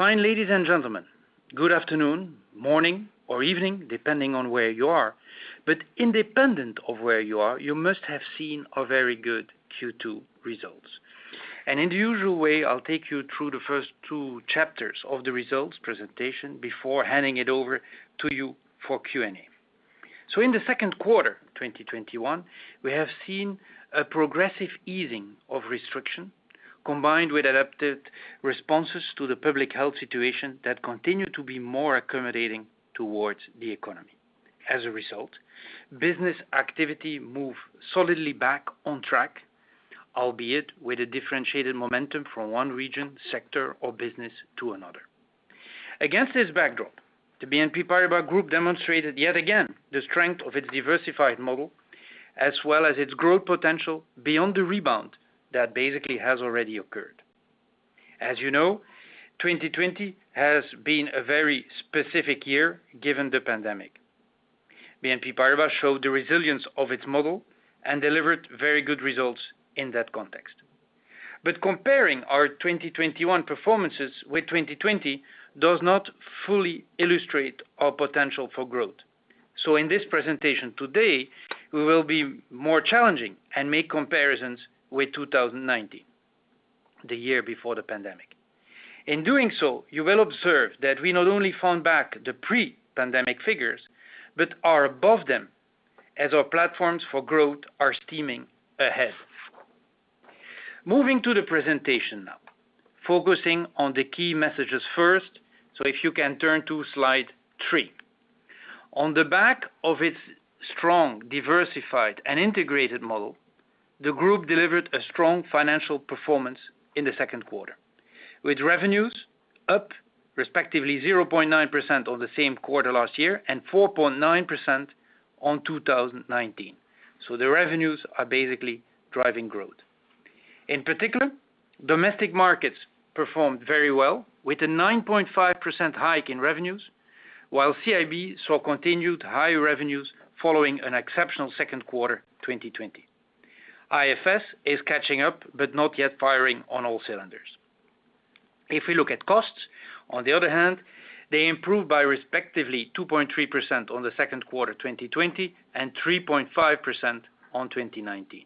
Fine, ladies and gentlemen. Good afternoon, morning, or evening, depending on where you are. Independent of where you are, you must have seen our very good Q2 results. In the usual way, I'll take you through the first two chapters of the results presentation before handing it over to you for Q&A. In the second quarter 2021, we have seen a progressive easing of restriction combined with adapted responses to the public health situation that continue to be more accommodating towards the economy. As a result, business activity moved solidly back on track, albeit with a differentiated momentum from one region, sector, or business to another. Against this backdrop, the BNP Paribas Group demonstrated yet again the strength of its diversified model, as well as its growth potential beyond the rebound that basically has already occurred. As you know, 2020 has been a very specific year given the pandemic. BNP Paribas showed the resilience of its model and delivered very good results in that context. Comparing our 2021 performances with 2020 does not fully illustrate our potential for growth. In this presentation today, we will be more challenging and make comparisons with 2019, the year before the pandemic. In doing so, you will observe that we not only found back the pre-pandemic figures, but are above them as our platforms for growth are steaming ahead. Moving to the presentation now, focusing on the key messages first, so if you can turn to slide three. On the back of its strong, diversified, and integrated model, the Group delivered a strong financial performance in the second quarter, with revenues up respectively 0.9% on the same quarter last year and 4.9% on 2019. The revenues are basically driving growth. In particular, Domestic Markets performed very well, with a 9.5% hike in revenues, while CIB saw continued higher revenues following an exceptional second quarter 2020. IFS is catching up, but not yet firing on all cylinders. If we look at costs, on the other hand, they improved by respectively 2.3% on the second quarter 2020 and 3.5% on 2019.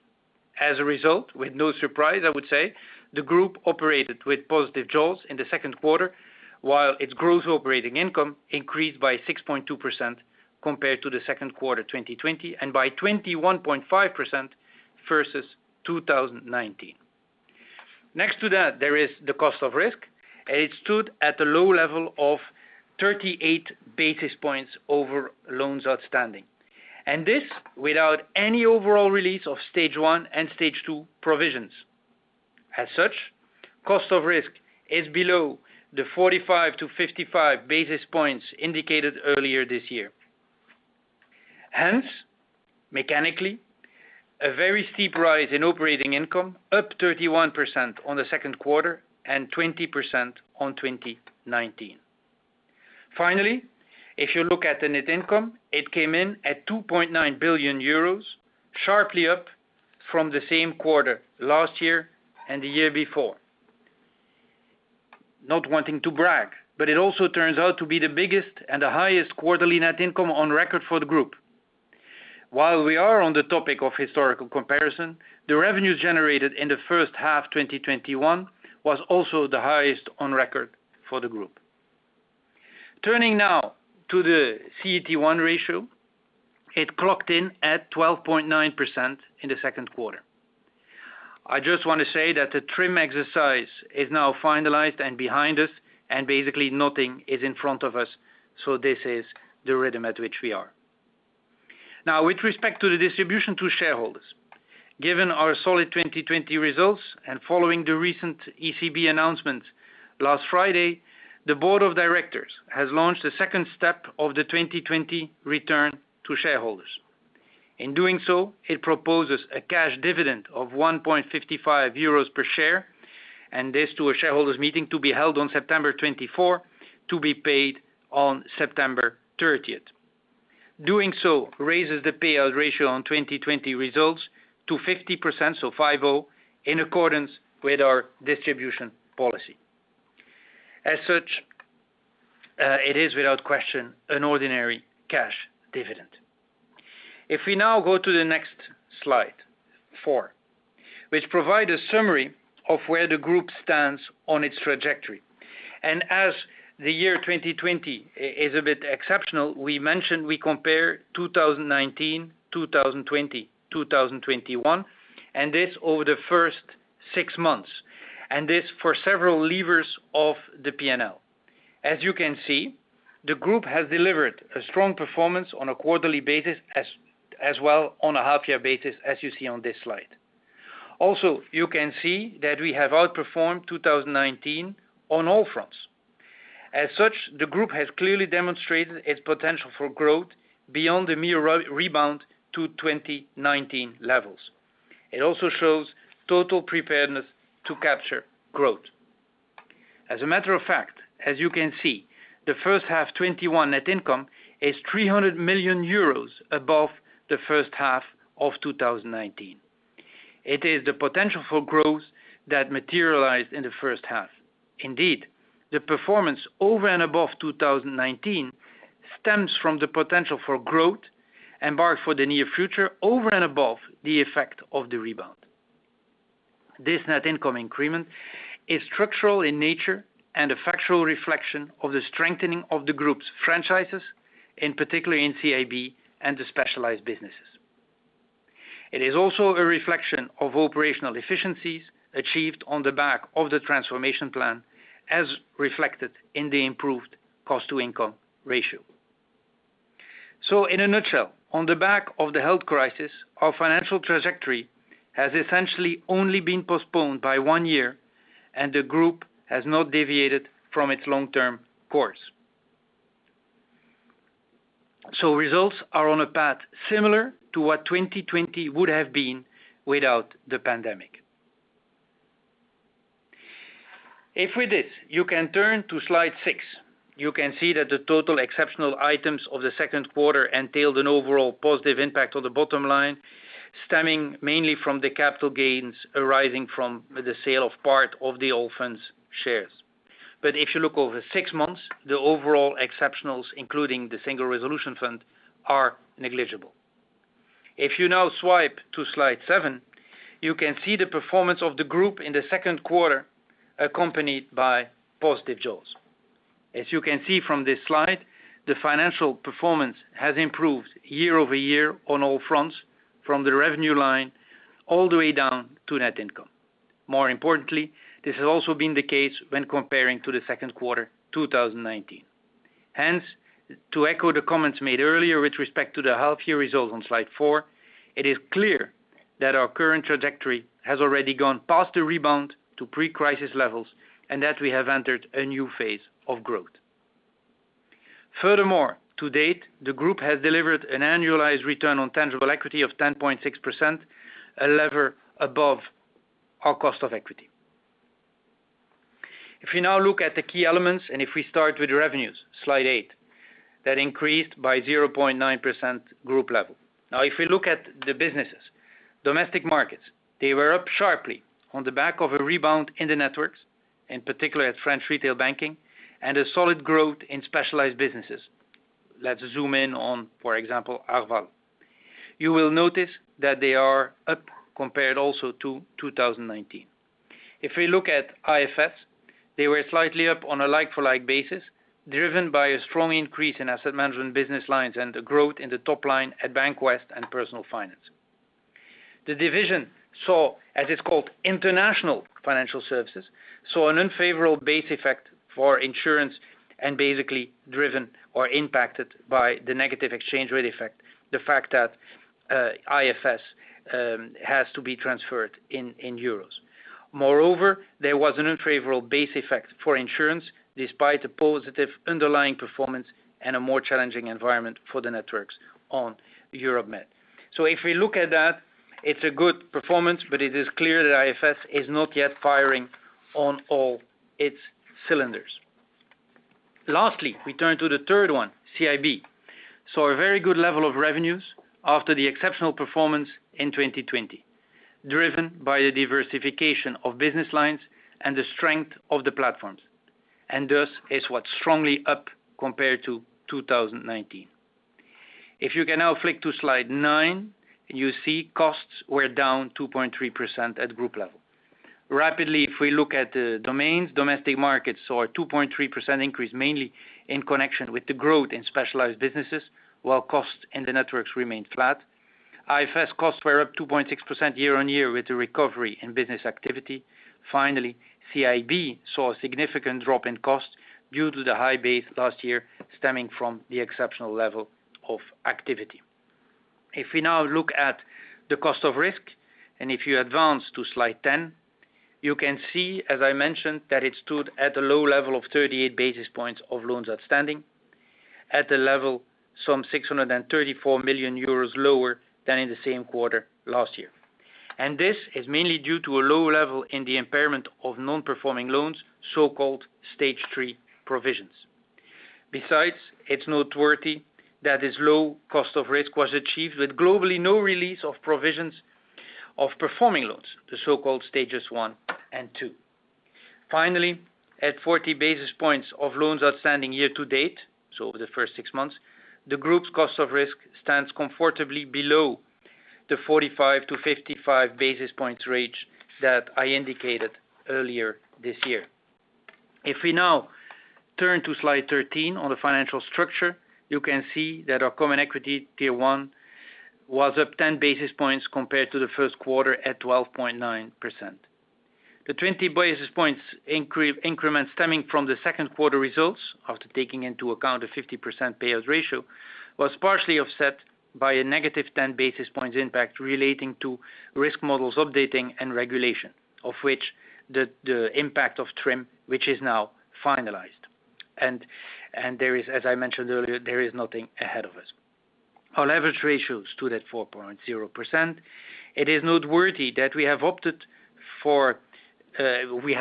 With no surprise, I would say, the Group operated with positive jaws in the second quarter, while its growth operating income increased by 6.2% compared to the second quarter 2020 and by 21.5% versus 2019. Next to that, there is the cost of risk, and it stood at the low level of 38 basis points over loans outstanding. This, without any overall release of Stage 1 and Stage 2 provisions. As such, cost of risk is below the 45 to 55 basis points indicated earlier this year. Mechanically, a very steep rise in operating income, up 31% on the second quarter and 20% on 2019. If you look at the net income, it came in at 2.9 billion euros, sharply up from the same quarter last year and the year before. Not wanting to brag, it also turns out to be the biggest and the highest quarterly net income on record for the Group. While we are on the topic of historical comparison, the revenues generated in the first half 2021 was also the highest on record for the Group. Turning now to the CET1 ratio, it clocked in at 12.9% in the second quarter. I just want to say that the TRIM exercise is now finalized and behind us, and basically, nothing is in front of us. This is the rhythm at which we are. Now, with respect to the distribution to shareholders, given our solid 2020 results and following the recent ECB announcement last Friday, the Board of Directors has launched the second step of the 2020 return to shareholders. In doing so, it proposes a cash dividend of 1.55 euros per share, and this to a shareholders' meeting to be held on September 24, to be paid on September 30th. Doing so raises the payout ratio on 2020 results to 50%, so 5-0, in accordance with our distribution policy. As such, it is without question an ordinary cash dividend. We now go to the next slide four, which provide a summary of where the Group stands on its trajectory. As the year 2020 is a bit exceptional, we mentioned we compare 2019, 2020, 2021, and this over the first six months. This for several levers of the P&L. As you can see, the Group has delivered a strong performance on a quarterly basis, as well on a half-year basis, as you see on this slide. You can see that we have outperformed 2019 on all fronts. The Group has clearly demonstrated its potential for growth beyond the mere rebound to 2019 levels. It also shows total preparedness to capture growth. As you can see, the first half 2021 net income is 300 million euros above the first half of 2019. It is the potential for growth that materialized in the first half. The performance over and above 2019 stems from the potential for growth embarked for the near future, over and above the effect of the rebound. This net income increment is structural in nature and a factual reflection of the strengthening of the Group's franchises, in particular in CIB and the specialized businesses. It is also a reflection of operational efficiencies achieved on the back of the transformation plan, as reflected in the improved cost-to-income ratio. In a nutshell, on the back of the health crisis, our financial trajectory has essentially only been postponed by one year, and the Group has not deviated from its long-term course. Results are on a path similar to what 2020 would have been without the pandemic. If with this, you can turn to slide six, you can see that the total exceptional items of the second quarter entailed an overall positive impact on the bottom line, stemming mainly from the capital gains arising from the sale of part of the Allfunds' shares. If you look over six months, the overall exceptionals, including the Single Resolution Fund, are negligible. If you now swipe to slide seven, you can see the performance of the Group in the 2Q, accompanied by positive jaws. As you can see from this slide, the financial performance has improved year-over-year on all fronts, from the revenue line all the way down to net income. More importantly, this has also been the case when comparing to the second quarter 2019. To echo the comments made earlier with respect to the half-year results on slide four, it is clear that our current trajectory has already gone past the rebound to pre-crisis levels and that we have entered a new phase of growth. Furthermore, to date, the Group has delivered an annualized return on tangible equity of 10.6%, a lever above our cost of equity. If you now look at the key elements, if we start with revenues, slide eight, that increased by 0.9% group level. If we look at the businesses, Domestic Markets, they were up sharply on the back of a rebound in the networks, in particular at French Retail Banking and a solid growth in specialized businesses. Let's zoom in on, for example, Arval. You will notice that they are up compared also to 2019. If we look at IFS, they were slightly up on a like-for-like basis, driven by a strong increase in asset management business lines and a growth in the top line at Bank of the West and Personal Finance. The division saw, as it's called, International Financial Services, saw an unfavorable base effect for insurance and basically driven or impacted by the negative exchange rate effect, the fact that IFS has to be transferred in euros. Moreover, there was an unfavorable base effect for insurance despite the positive underlying performance and a more challenging environment for the networks on Europe-Mediterranean. If we look at that, it's a good performance, but it is clear that IFS is not yet firing on all its cylinders. Lastly, we turn to the third one, CIB, saw a very good level of revenues after the exceptional performance in 2020, driven by the diversification of business lines and the strength of the platforms, thus is what's strongly up compared to 2019. If you can now flick to slide nine, you see costs were down 2.3% at Group level. Rapidly, if we look at the domains, Domestic Markets saw a 2.3% increase, mainly in connection with the growth in specialized businesses, while costs in the networks remained flat. IFS costs were up 2.6% year on year with a recovery in business activity. CIB saw a significant drop in costs due to the high base last year stemming from the exceptional level of activity. If we now look at the cost of risk, if you advance to slide 10, you can see, as I mentioned, that it stood at a low level of 38 basis points of loans outstanding at a level some 634 million euros lower than in the same quarter last year. This is mainly due to a low level in the impairment of non-performing loans, so-called Stage 3 provisions. It's noteworthy that this low cost of risk was achieved with globally no release of provisions of performing loans, the so-called Stages 1 and 2. Finally, at 40 basis points of loans outstanding year to date, so over the first six months, the Group's cost of risk stands comfortably below the 45-55 basis points range that I indicated earlier this year. If we now turn to slide 13 on the financial structure, you can see that our common equity, Tier 1, was up 10 basis points compared to the first quarter at 12.9%. The 20 basis points increment stemming from the second quarter results, after taking into account a 50% payout ratio, was partially offset by a -10 basis points impact relating to risk models updating and regulation, of which the impact of TRIM, which is now finalized. There is, as I mentioned earlier, there is nothing ahead of us. Our leverage ratio stood at 4.0%. It is noteworthy that we have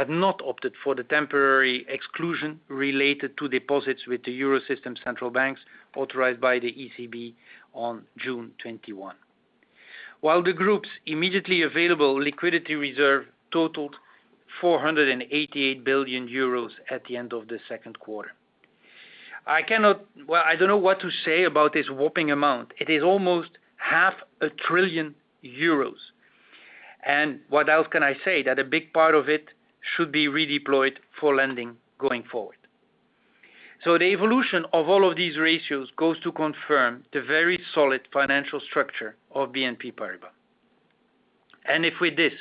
not opted for the temporary exclusion related to deposits with the Eurosystem central banks authorized by the ECB on June 21. While the Group's immediately available liquidity reserve totaled 488 billion euros at the end of the second quarter. I don't know what to say about this whopping amount. It is almost half a trillion euros. What else can I say? That a big part of it should be redeployed for lending going forward. The evolution of all of these ratios goes to confirm the very solid financial structure of BNP Paribas. If with this,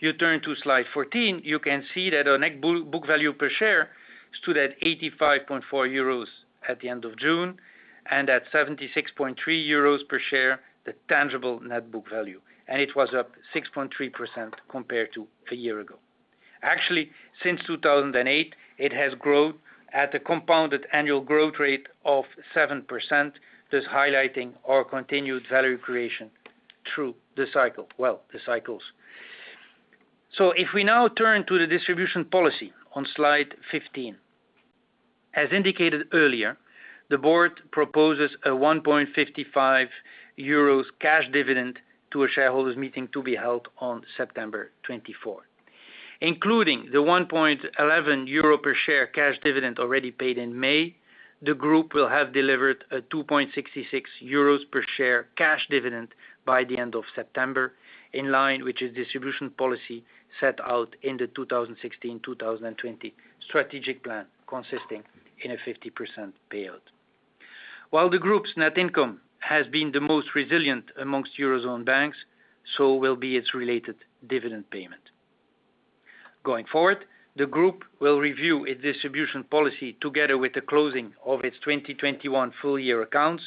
you turn to slide 14, you can see that our net book value per share stood at 85.4 euros at the end of June, and at 76.3 euros per share, the tangible net book value. It was up 6.3% compared to a year ago. Actually, since 2008, it has grown at a compounded annual growth rate of 7%, thus highlighting our continued value creation through the cycle, well, the cycles. If we now turn to the distribution policy on slide 15, as indicated earlier, the board proposes a 1.55 euros cash dividend to a shareholders' meeting to be held on September 24. Including the 1.11 euro per share cash dividend already paid in May, the group will have delivered a 2.66 euros per share cash dividend by the end of September, in line with its distribution policy set out in the 2016/2020 strategic plan, consisting in a 50% payout. While the group's net income has been the most resilient amongst Eurozone banks, so will be its related dividend payment. Going forward, the group will review its distribution policy together with the closing of its 2021 full-year accounts,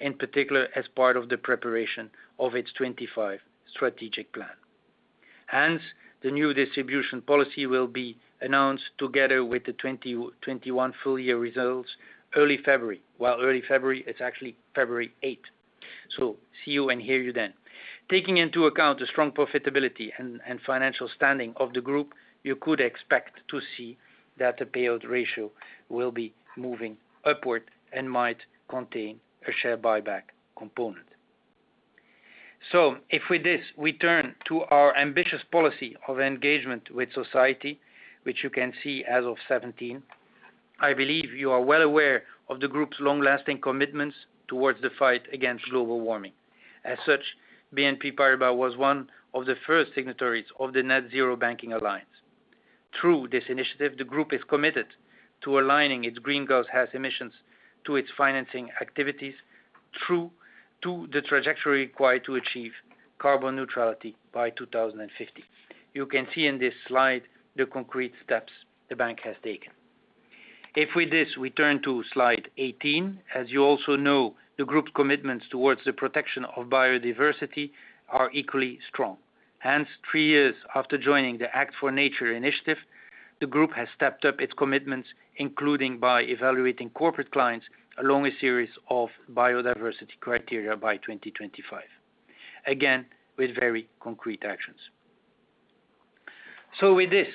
in particular, as part of the preparation of its 2025 strategic plan. Hence, the new distribution policy will be announced together with the 2021 full-year results early February. Well, early February, it's actually February 8th. See you and hear you then. Taking into account the strong profitability and financial standing of the group, you could expect to see that the payout ratio will be moving upward and might contain a share buyback component. If with this, we turn to our ambitious policy of engagement with society, which you can see as of 2017, I believe you are well aware of the group's long-lasting commitments towards the fight against global warming. As such, BNP Paribas was one of the first signatories of the Net-Zero Banking Alliance. Through this initiative, the group is committed to aligning its greenhouse gas emissions to its financing activities through to the trajectory required to achieve carbon neutrality by 2050. You can see in this slide the concrete steps the bank has taken. With this, we turn to slide 18. You also know, the group's commitments towards the protection of biodiversity are equally strong. Three years after joining the act4nature initiative, the group has stepped up its commitments, including by evaluating corporate clients along a series of biodiversity criteria by 2025. With very concrete actions. With this,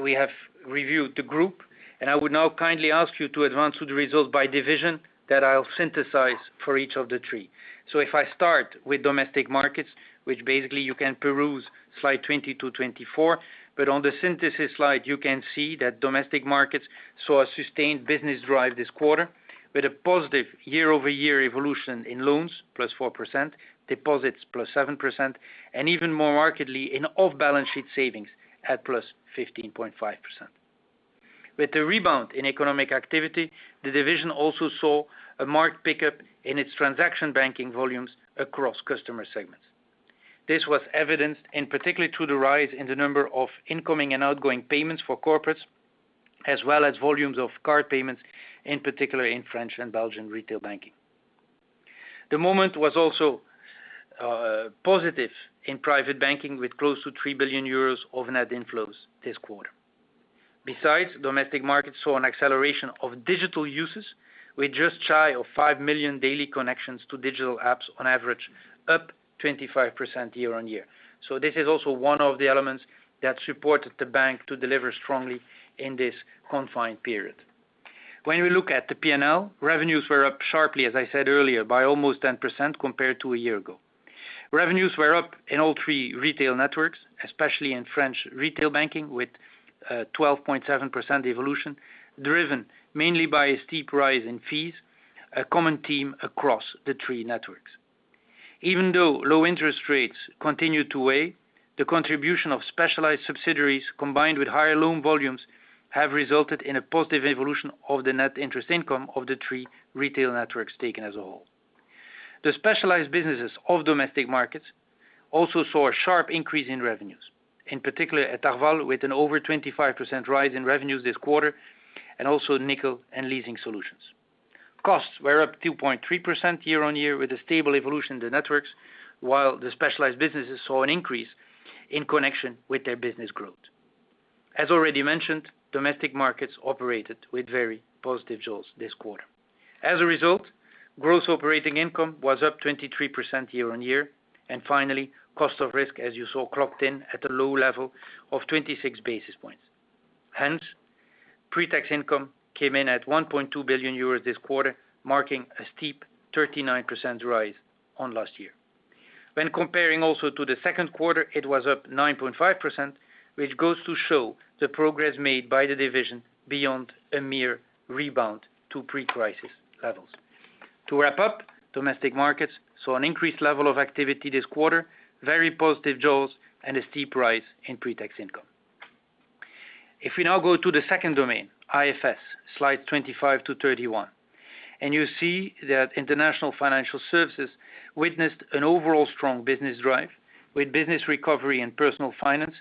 we have reviewed the group, and I would now kindly ask you to advance to the results by division that I'll synthesize for each of the three. If I start with Domestic Markets, which basically you can peruse slide 20 to 24, but on the synthesis slide, you can see that Domestic Markets saw a sustained business drive this quarter with a positive year-over-year evolution in loans, +4%, deposits, +7%, and even more markedly in off-balance sheet savings at +15.5%. With the rebound in economic activity, the division also saw a marked pickup in its transaction banking volumes across customer segments. This was evidenced in particularly through the rise in the number of incoming and outgoing payments for corporates, as well as volumes of card payments, in particular in French Retail Banking and Belgian Retail Banking. The moment was also positive in private banking, with close to 3 billion euros of net inflows this quarter. Domestic Markets saw an acceleration of digital uses with just shy of 5 million daily connections to digital apps on average, up 25% year-on-year. This is also one of the elements that supported the bank to deliver strongly in this confined period. When we look at the P&L, revenues were up sharply, as I said earlier, by almost 10% compared to a year ago. Revenues were up in all three retail networks, especially in French Retail Banking, with 12.7% evolution, driven mainly by a steep rise in fees, a common theme across the three networks. Even though low interest rates continued to weigh, the contribution of specialized subsidiaries combined with higher loan volumes have resulted in a positive evolution of the net interest income of the three retail networks taken as a whole. The specialized businesses of Domestic Markets also saw a sharp increase in revenues, in particular at Arval, with an over 25% rise in revenues this quarter, and also Nickel and Leasing Solutions. Costs were up 2.3% year-on-year with a stable evolution in the networks, while the specialized businesses saw an increase in connection with their business growth. As already mentioned, Domestic Markets operated with very positive yields this quarter. As a result, gross operating income was up 23% year-on-year. Finally, cost of risk, as you saw, clocked in at a low level of 26 basis points. Hence, pre-tax income came in at EUR 1.2 billion this quarter, marking a steep 39% rise on last year. When comparing also to the second quarter, it was up 9.5%, which goes to show the progress made by the division beyond a mere rebound to pre-crisis levels. To wrap up, Domestic Markets saw an increased level of activity this quarter, very positive jaws, and a steep rise in pre-tax income. If we now go to the second domain, IFS, slides 25 to 31, and you see that International Financial Services witnessed an overall strong business drive with business recovery and Personal Finance,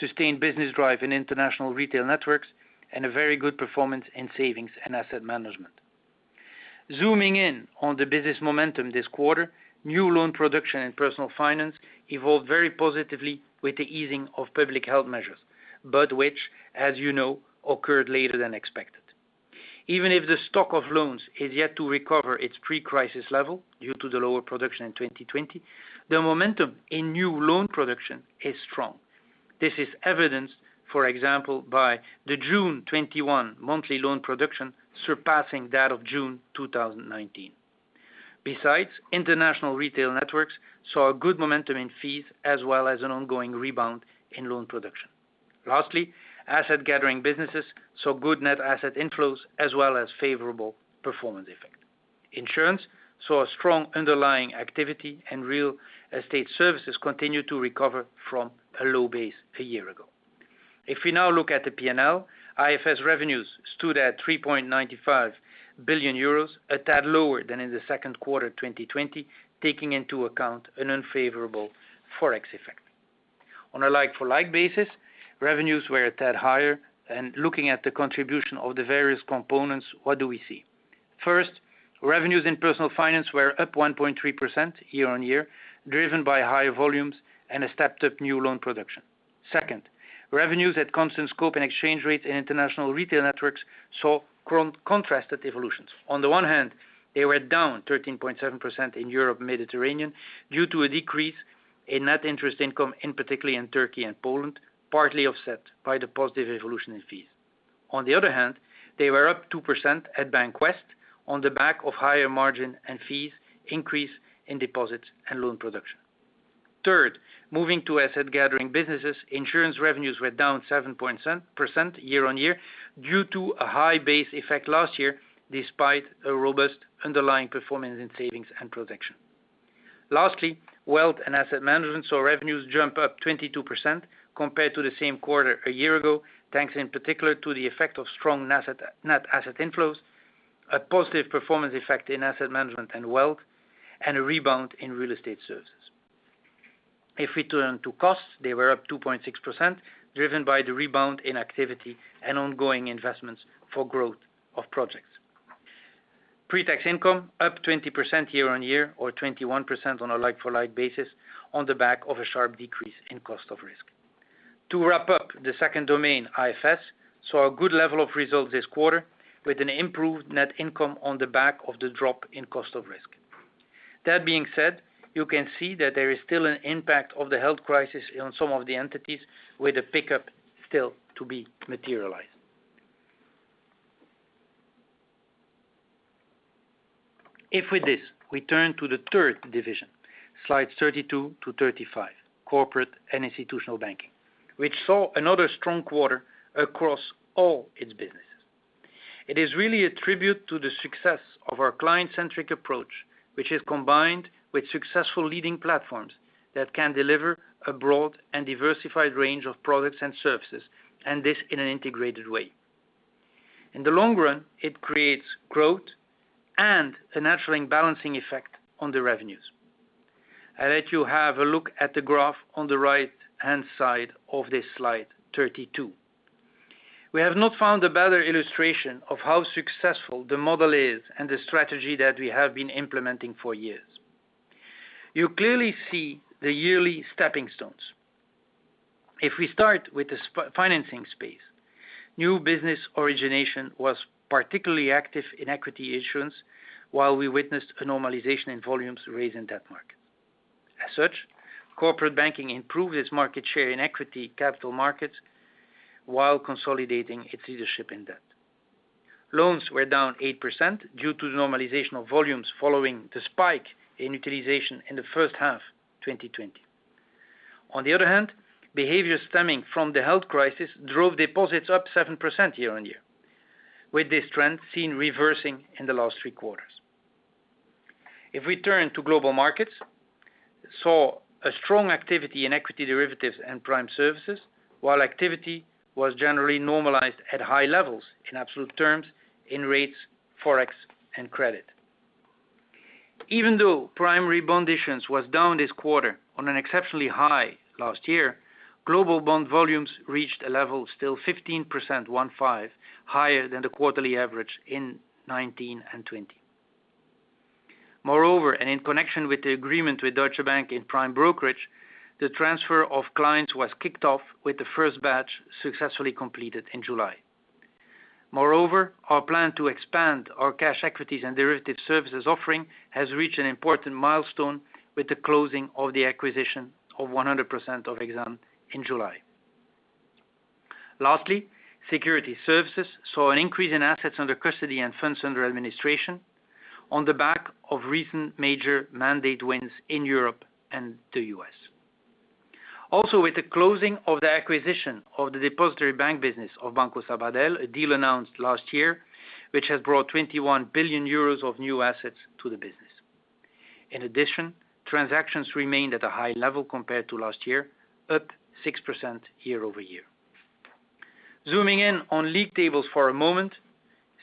sustained business drive in International Retail Networks, and a very good performance in savings and asset management. Zooming in on the business momentum this quarter, new loan production and Personal Finance evolved very positively with the easing of public health measures, but which, as you know, occurred later than expected. Even if the stock of loans is yet to recover its pre-crisis level due to the lower production in 2020, the momentum in new loan production is strong. This is evidenced, for example, by the June 2021 monthly loan production surpassing that of June 2019. Besides, International Retail Networks saw a good momentum in fees as well as an ongoing rebound in loan production. Lastly, asset gathering businesses saw good net asset inflows as well as favorable performance effect. Insurance saw a strong underlying activity, and real estate services continued to recover from a low base a year ago. If we now look at the P&L, IFS revenues stood at 3.95 billion euros, a tad lower than in the second quarter 2020, taking into account an unfavorable Forex effect. On a like-for-like basis, revenues were a tad higher. Looking at the contribution of the various components, what do we see? First, revenues in Personal Finance were up 1.3% year-on-year, driven by higher volumes and a stepped-up new loan production. Second, revenues at constant scope and exchange rates in International Retail Networks saw contrasted evolutions. On the one hand, they were down 13.7% in Europe-Mediterranean due to a decrease in net interest income, in particular in Turkey and Poland, partly offset by the positive evolution in fees. On the other hand, they were up 2% at Bank of the West on the back of higher margin and fees increase in deposits and loan production. Third, moving to asset gathering businesses, insurance revenues were down 7% year-on-year due to a high base effect last year, despite a robust underlying performance in savings and production. Lastly, wealth and asset management saw revenues jump up 22% compared to the same quarter a year ago, thanks in particular to the effect of strong net asset inflows, a positive performance effect in asset management and wealth, and a rebound in real estate services. If we turn to costs, they were up 2.6%, driven by the rebound in activity and ongoing investments for growth of projects. Pre-tax income up 20% year-on-year or 21% on a like-for-like basis on the back of a sharp decrease in cost of risk. To wrap up, the second domain, IFS, saw a good level of results this quarter with an improved net income on the back of the drop in cost of risk. That being said, you can see that there is still an impact of the health crisis on some of the entities, with the pickup still to be materialized. If with this, we turn to the third division, slides 32 to 35, Corporate and Institutional Banking, which saw another strong quarter across all its businesses. It is really a tribute to the success of our client-centric approach, which is combined with successful leading platforms that can deliver a broad and diversified range of products and services, and this in an integrated way. In the long run, it creates growth and a natural balancing effect on the revenues. I let you have a look at the graph on the right-hand side of this slide 32. We have not found a better illustration of how successful the model is and the strategy that we have been implementing for years. You clearly see the yearly stepping stones. If we start with the financing space, new business origination was particularly active in equity issuance, while we witnessed a normalization in volumes raised in debt markets. As such, corporate banking improved its market share in equity capital markets while consolidating its leadership in debt. Loans were down 8% due to the normalization of volumes following the spike in utilization in the first half 2020. On the other hand, behavior stemming from the health crisis drove deposits up 7% year-over-year, with this trend seen reversing in the last three quarters. If we turn to global markets, we saw a strong activity in equity derivatives and prime services, while activity was generally normalized at high levels in absolute terms in rates, Forex, and credit. Even though primary bond issuance was down this quarter on an exceptionally high last year, global bond volumes reached a level still 15%, one five, higher than the quarterly average in 2019 and 2020. Moreover, in connection with the agreement with Deutsche Bank in Prime Brokerage, the transfer of clients was kicked off with the first batch successfully completed in July. Moreover, our plan to expand our cash equities and derivative services offering has reached an important milestone with the closing of the acquisition of 100% of Exane in July. Lastly, Securities Services saw an increase in assets under custody and funds under administration on the back of recent major mandate wins in Europe and the U.S. With the closing of the acquisition of the depository bank business of Banco Sabadell, a deal announced last year, which has brought 21 billion euros of new assets to the business. In addition, transactions remained at a high level compared to last year, up 6% year-over-year. Zooming in on league tables for a moment,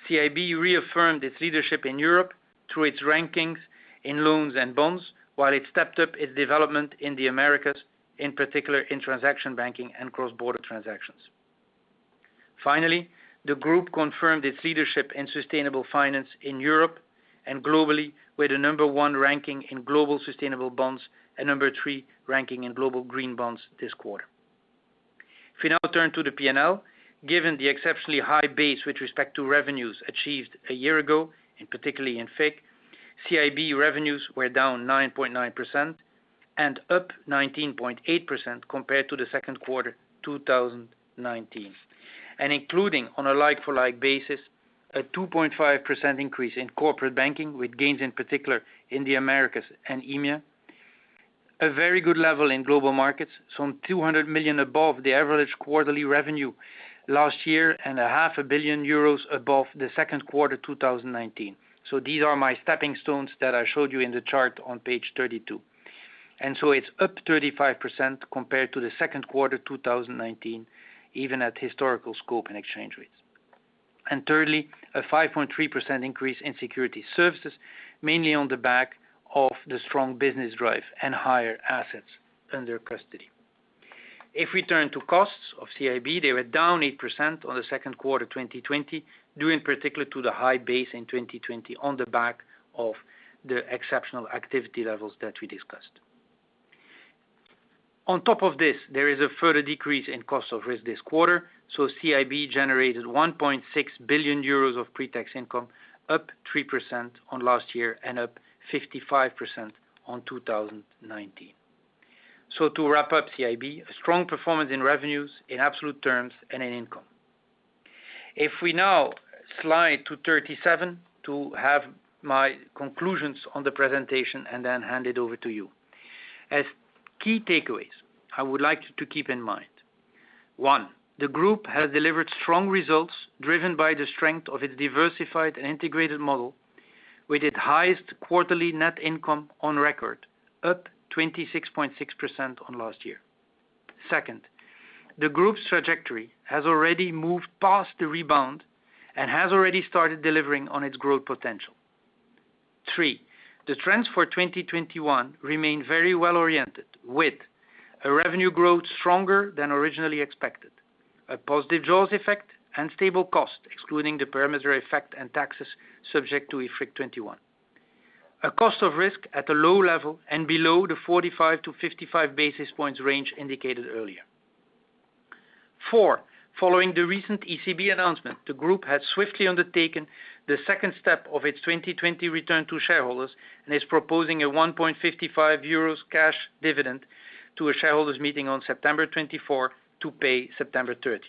CIB reaffirmed its leadership in Europe through its rankings in loans and bonds, while it stepped up its development in the Americas, in particular in transaction banking and cross-border transactions. Finally, the group confirmed its leadership in sustainable finance in Europe and globally, with a number one ranking in global sustainable bonds and number three ranking in global green bonds this quarter. Given the exceptionally high base with respect to revenues achieved a year ago, and particularly in FICC, CIB revenues were down 9.9% and up 19.8% compared to the second quarter 2019. Including, on a like-for-like basis, a 2.5% increase in corporate banking, with gains in particular in the Americas and EMEA. A very good level in global markets, some 200 million above the average quarterly revenue last year and a half a billion euros above the second quarter 2019. These are my stepping stones that I showed you in the chart on page 32. It's up 35% compared to the second quarter 2019, even at historical scope and exchange rates. Thirdly, a 5.3% increase in Securities Services, mainly on the back of the strong business drive and higher assets under custody. If we turn to costs of CIB, they were down 8% on the second quarter 2020, due in particular to the high base in 2020 on the back of the exceptional activity levels that we discussed. On top of this, there is a further decrease in cost of risk this quarter, so CIB generated 1.6 billion euros of pre-tax income, up 3% on last year and up 55% on 2019. To wrap up CIB, a strong performance in revenues in absolute terms and in income. If we now slide to 37 to have my conclusions on the presentation and then hand it over to you. As key takeaways, I would like you to keep in mind. One, the group has delivered strong results driven by the strength of its diversified and integrated model, with its highest quarterly net income on record, up 26.6% on last year. Second, the group's trajectory has already moved past the rebound and has already started delivering on its growth potential. Three, the trends for 2021 remain very well-oriented, with a revenue growth stronger than originally expected, a positive jaws effect and stable cost, excluding the parameter effect and taxes subject to IFRIC 21. A cost of risk at a low level and below the 45-55 basis points range indicated earlier. Four, following the recent ECB announcement, the group has swiftly undertaken the second step of its 2020 return to shareholders and is proposing a 1.55 euros cash dividend to a shareholders' meeting on September 24 to pay September 30th.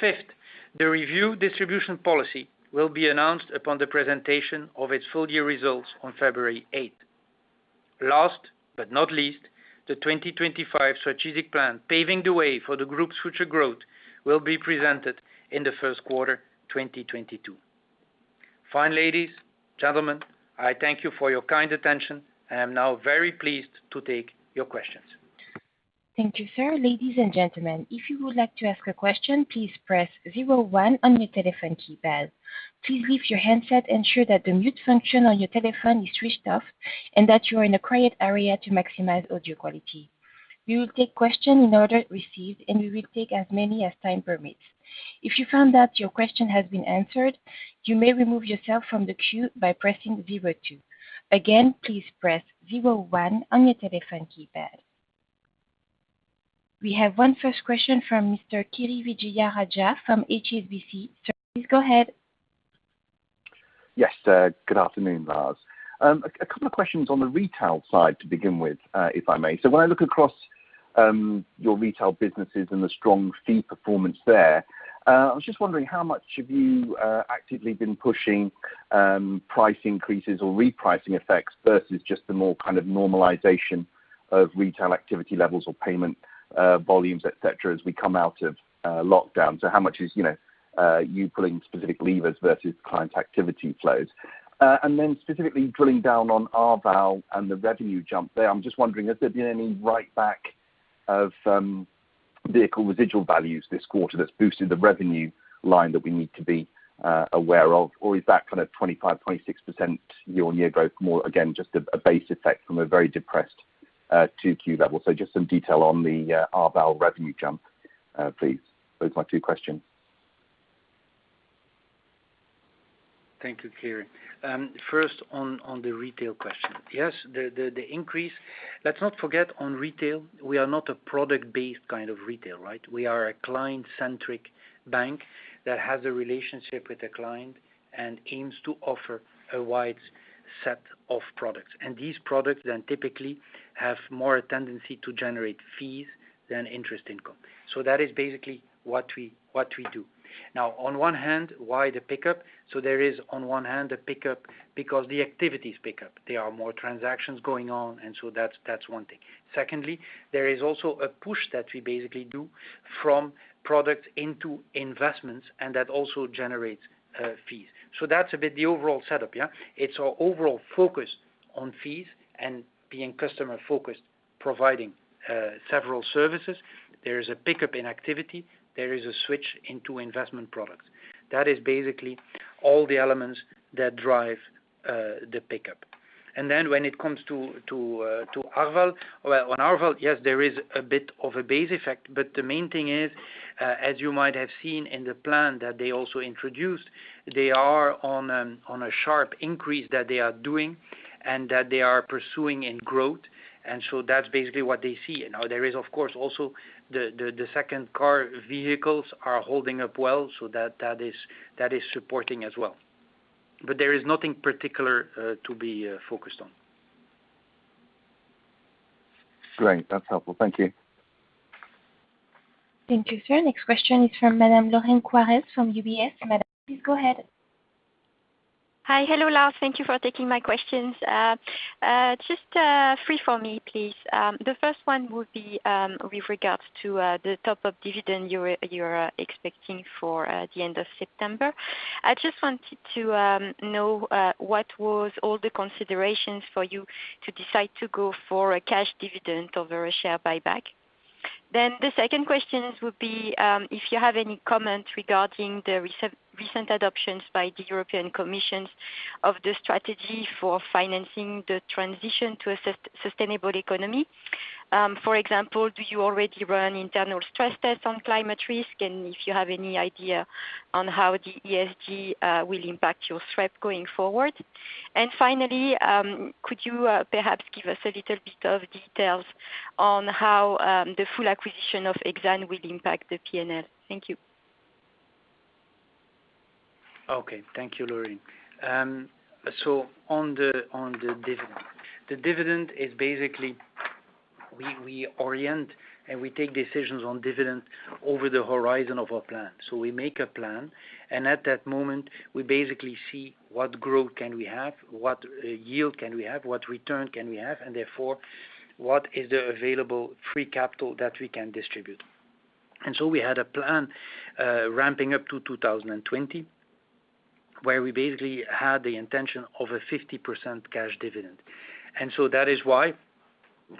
Fifth, the review distribution policy will be announced upon the presentation of its full-year results on February 8th. Last but not least, the 2025 strategic plan, paving the way for the group's future growth, will be presented in the first quarter 2022. Fine ladies, gentlemen, I thank you for your kind attention, and I'm now very pleased to take your questions. Thank you, sir. We have one first question from Mr. Kiri Vijayarajah from HSBC. Sir, please go ahead. Yes, good afternoon, Lars. A couple of questions on the retail side to begin with, if I may. When I look across your retail businesses and the strong fee performance there, I was just wondering how much have you actively been pushing price increases or repricing effects versus just the more kind of normalization of retail activity levels or payment volumes, et cetera, as we come out of lockdown. How much is you pulling specific levers versus client activity flows? Specifically drilling down on Arval and the revenue jump there. I'm just wondering, has there been any write-back of vehicle residual values this quarter that's boosted the revenue line that we need to be aware of? Or is that kind of 25, 26% year-on-year growth more, again, just a base effect from a very depressed 2Q level? Just some detail on the Arval revenue jump, please. Those are my two questions. Thank you, Kiri. First, on the retail question. Yes, the increase. Let's not forget on retail, we are not a product-based kind of retail, right? We are a client-centric bank that has a relationship with a client and aims to offer a wide set of products. These products then typically have more tendency to generate fees than interest income. That is basically what we do. Now, on one hand, why the pickup? There is, on one hand, a pickup because the activities pick up. There are more transactions going on, that's one thing. Secondly, there is also a push that we basically do from product into investments, and that also generates fees. That's a bit the overall setup, yeah. It's our overall focus on fees and being customer-focused, providing several services. There is a pickup in activity. There is a switch into investment products. That is basically all the elements that drive the pickup. When it comes to Arval, well, on Arval, yes, there is a bit of a base effect. The main thing is, as you might have seen in the plan that they also introduced, they are on a sharp increase that they are doing and that they are pursuing in growth. That's basically what they see. There is, of course, also the second car vehicles are holding up well, so that is supporting as well. There is nothing particular to be focused on. Great. That's helpful. Thank you. Thank you, sir. Next question is from Madame Lorraine Quoirez from UBS. Madame, please go ahead. Hi. Hello, Lars. Thank you for taking my questions. Just three for me, please. The first one would be with regards to the top of dividend you're expecting for the end of September. I just wanted to know what was all the considerations for you to decide to go for a cash dividend over a share buyback. The second question would be if you have any comment regarding the recent adoptions by the European Commission of the strategy for financing the transition to a sustainable economy. For example, do you already run internal stress tests on climate risk? If you have any idea on how the ESG will impact your SREP going forward. Finally, could you perhaps give us a little bit of details on how the full acquisition of Exane will impact the P&L? Thank you. Okay. Thank you, Lorraine. On the dividend. The dividend is basically we orient and we take decisions on dividend over the horizon of our plan. We make a plan, and at that moment, we basically see what growth can we have, what yield can we have, what return can we have, and therefore, what is the available free capital that we can distribute. We had a plan ramping up to 2020, where we basically had the intention of a 50% cash dividend. That is why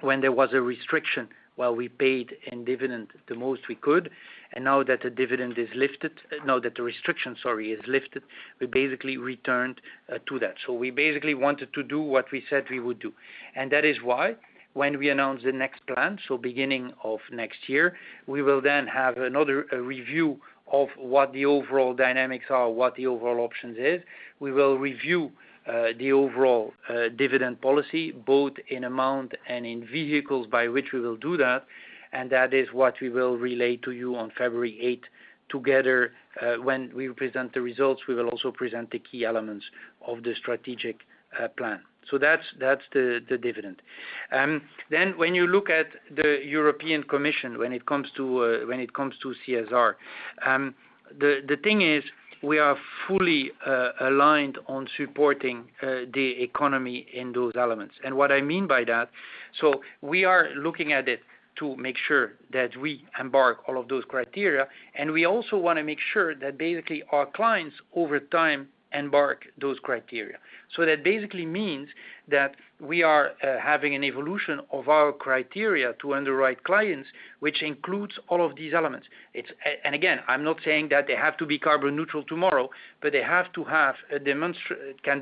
when there was a restriction, while we paid in dividend the most we could, and now that the restriction is lifted, we basically returned to that. We basically wanted to do what we said we would do. That is why when we announce the next plan, so beginning of next year, we will then have another review of what the overall dynamics are, what the overall options is. We will review the overall dividend policy, both in amount and in vehicles by which we will do that, and that is what we will relay to you on February 8th together. When we present the results, we will also present the key elements of the strategic plan. That's the dividend. When you look at the European Commission, when it comes to CSR, the thing is ,we are fully aligned on supporting the economy in those elements. What I mean by that so we are looking at it to make sure that we embark all of those criteria. We also want to make sure that basically our clients over time embark those criteria. That basically means that we are having an evolution of our criteria to underwrite clients, which includes all of these elements. Again, I'm not saying that they have to be carbon neutral tomorrow, but they can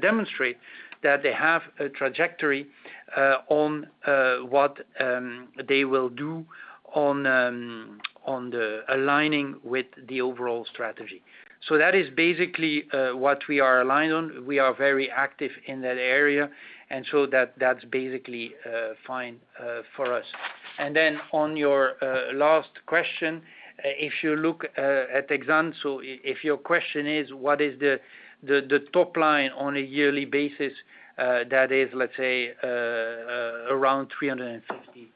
demonstrate that they have a trajectory on what they will do on the aligning with the overall strategy. That is basically what we are aligned on. We are very active in that area, and so that's basically fine for us. On your last question, if you look at Exane, so if your question is, what is the top line on a yearly basis, that is, let's say, around 350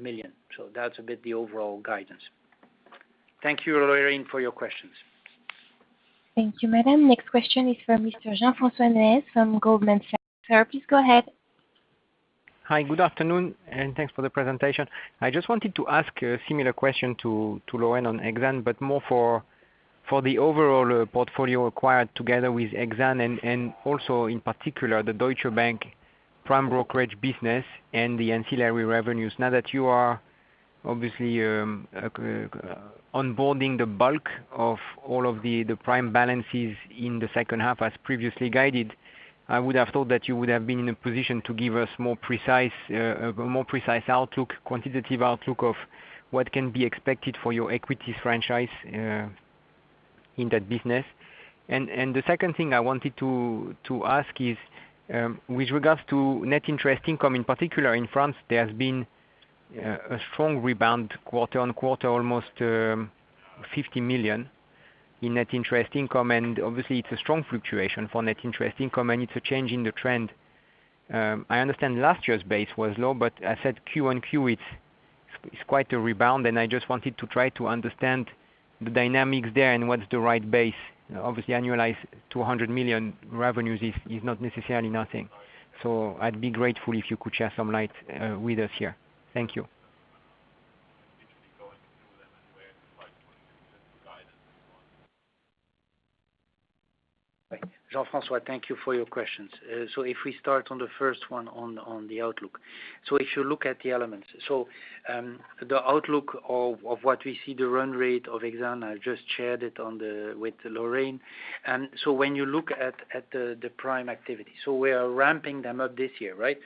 million. That's a bit the overall guidance. Thank you, Lorraine, for your questions. Thank you, Madame. Next question is from Mr. Jean-Francois Neuez from Goldman Sachs. Sir, please go ahead. Hi. Good afternoon, and thanks for the presentation. I just wanted to ask a similar question to Lorraine on Exane, but more for the overall portfolio acquired together with Exane and also in particular the Deutsche Bank Prime Brokerage business and the ancillary revenues. Now that you are obviously onboarding the bulk of all of the Prime balances in the second half as previously guided, I would have thought that you would have been in a position to give us more precise quantitative outlook of what can be expected for your equity franchise in that business. The second thing I wanted to ask is, with regards to net interest income, in particular in France, there has been a strong rebound quarter-on-quarter, almost 50 million in net interest income. Obviously, it's a strong fluctuation for net interest income, and it's a change in the trend. I understand last year's base was low, but I said QoQ, it's quite a rebound, and I just wanted to try to understand the dynamics there and what's the right base. Obviously, annualized 200 million revenues is not necessarily nothing. I'd be grateful if you could share some light with us here. Thank you. Jean-Francois, thank you for your questions. If we start on the first one on the outlook. If you look at the elements, the outlook of what we see the run rate of Exane, I just shared it with Lorraine. When you look at the prime activity, we are ramping them up this year, right?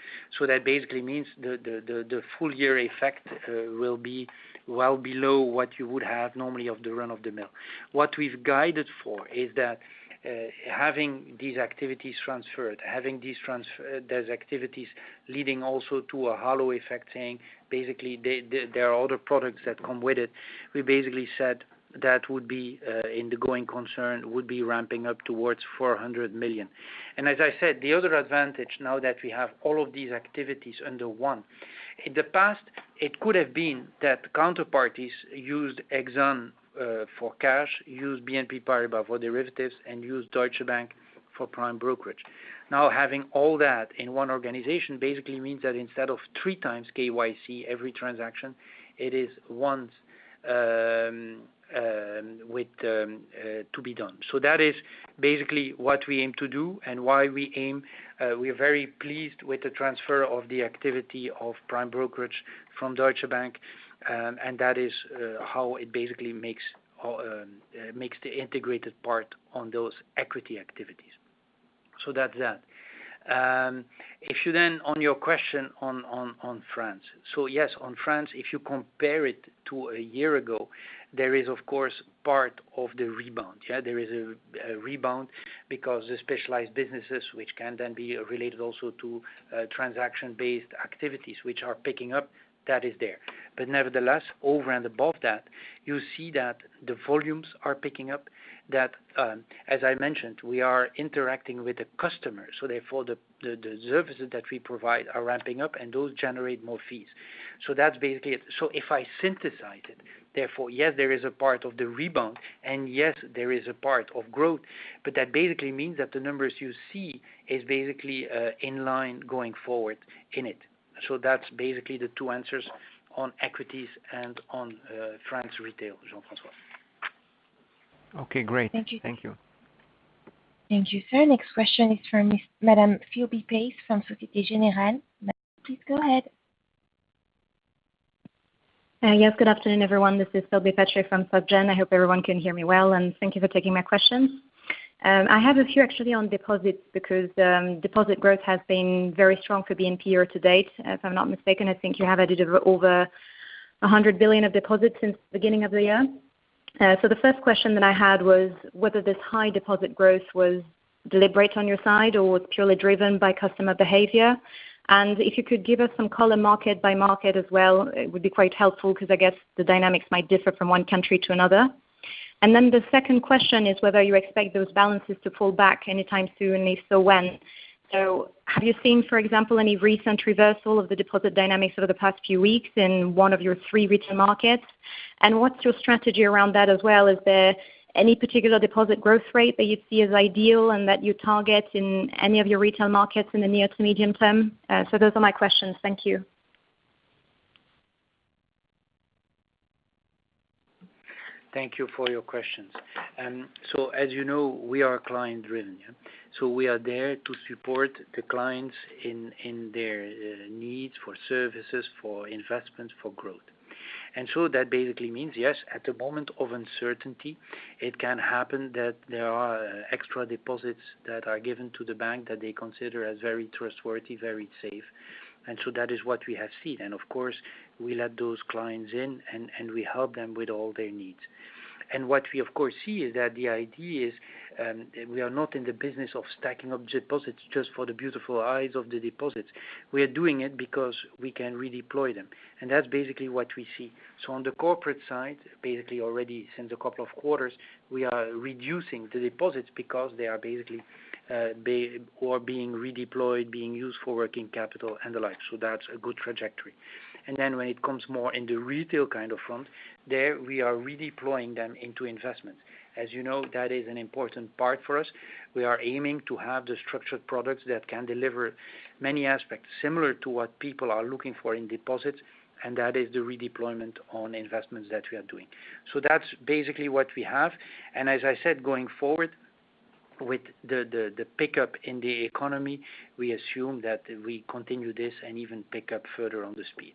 That basically means the full year effect will be well below what you would have normally of the run-of-the-mill. What we've guided for is that having these activities transferred, having those activities leading also to a halo effect, saying basically there are other products that come with it. We basically said that in the going concern, would be ramping up towards 400 million. As I said, the other advantage now that we have all of these activities under one. In the past, it could have been that counterparties used Exane for cash, used BNP Paribas for derivatives, and used Deutsche Bank for Prime Brokerage. Having all that in one organization basically means that instead of three times KYC every transaction, it is one to be done. That is basically what we aim to do and why we aim. We are very pleased with the transfer of the activity of Prime Brokerage from Deutsche Bank, and that is how it basically makes the integrated part on those equity activities. That's that. If you then, on your question on France. Yes, on France, if you compare it to a year ago, there is of course part of the rebound. Yeah, there is a rebound because the specialized businesses, which can then be related also to transaction-based activities, which are picking up, that is there. Nevertheless, over and above that, you see that the volumes are picking up. That, as I mentioned, we are interacting with the customer, so therefore the services that we provide are ramping up, and those generate more fees. That's basically it. If I synthesize it, therefore, yes, there is a part of the rebound, and yes, there is a part of growth, but that basically means that the numbers you see is basically inline going forward in it. That's basically the two answers on equities and on France Retail, Jean-Francois. Okay, great. Thank you. Thank you, sir. Next question is from Madame Phelbé Pace from Société Générale. Madame, please go ahead. Yes, good afternoon, everyone. This is Phelbé Pace from Société Générale. I hope everyone can hear me well, and thank you for taking my questions. I have a few actually, on deposits because deposit growth has been very strong for BNP Paribas year-to-date. If I'm not mistaken, I think you have added over 100 billion of deposits since the beginning of the year. The first question that I had was whether this high deposit growth was deliberate on your side or was purely driven by customer behavior. If you could give us some color market by market as well, it would be quite helpful because I guess the dynamics might differ from one country to another. The second question is whether you expect those balances to pull back anytime soon, and if so, when? Have you seen, for example, any recent reversal of the deposit dynamics over the past few weeks in one of your three retail markets? What's your strategy around that as well? Is there any particular deposit growth rate that you see as ideal and that you target in any of your retail markets in the near to medium term? Those are my questions. Thank you. Thank you for your questions. As you know, we are client-driven. We are there to support the clients in their needs for services, for investments, for growth. That basically means yes, at the moment of uncertainty, it can happen that there are extra deposits that are given to the bank that they consider as very trustworthy, very safe. That is what we have seen. Of course, we let those clients in, and we help them with all their needs. What we, of course, see is that the idea is, we are not in the business of stacking up deposits just for the beautiful eyes of the deposits. We are doing it because we can redeploy them. That's basically what we see. On the corporate side, basically, already since a couple of quarters, we are reducing the deposits because they are basically being redeployed, being used for working capital and the like. That's a good trajectory. When it comes more in the retail kind of front, there we are redeploying them into investments. As you know, that is an important part for us. We are aiming to have the structured products that can deliver many aspects similar to what people are looking for in deposits, and that is the redeployment on investments that we are doing. That's basically what we have. As I said, going forward with the pickup in the economy, we assume that we continue this and even pick up further on the speed.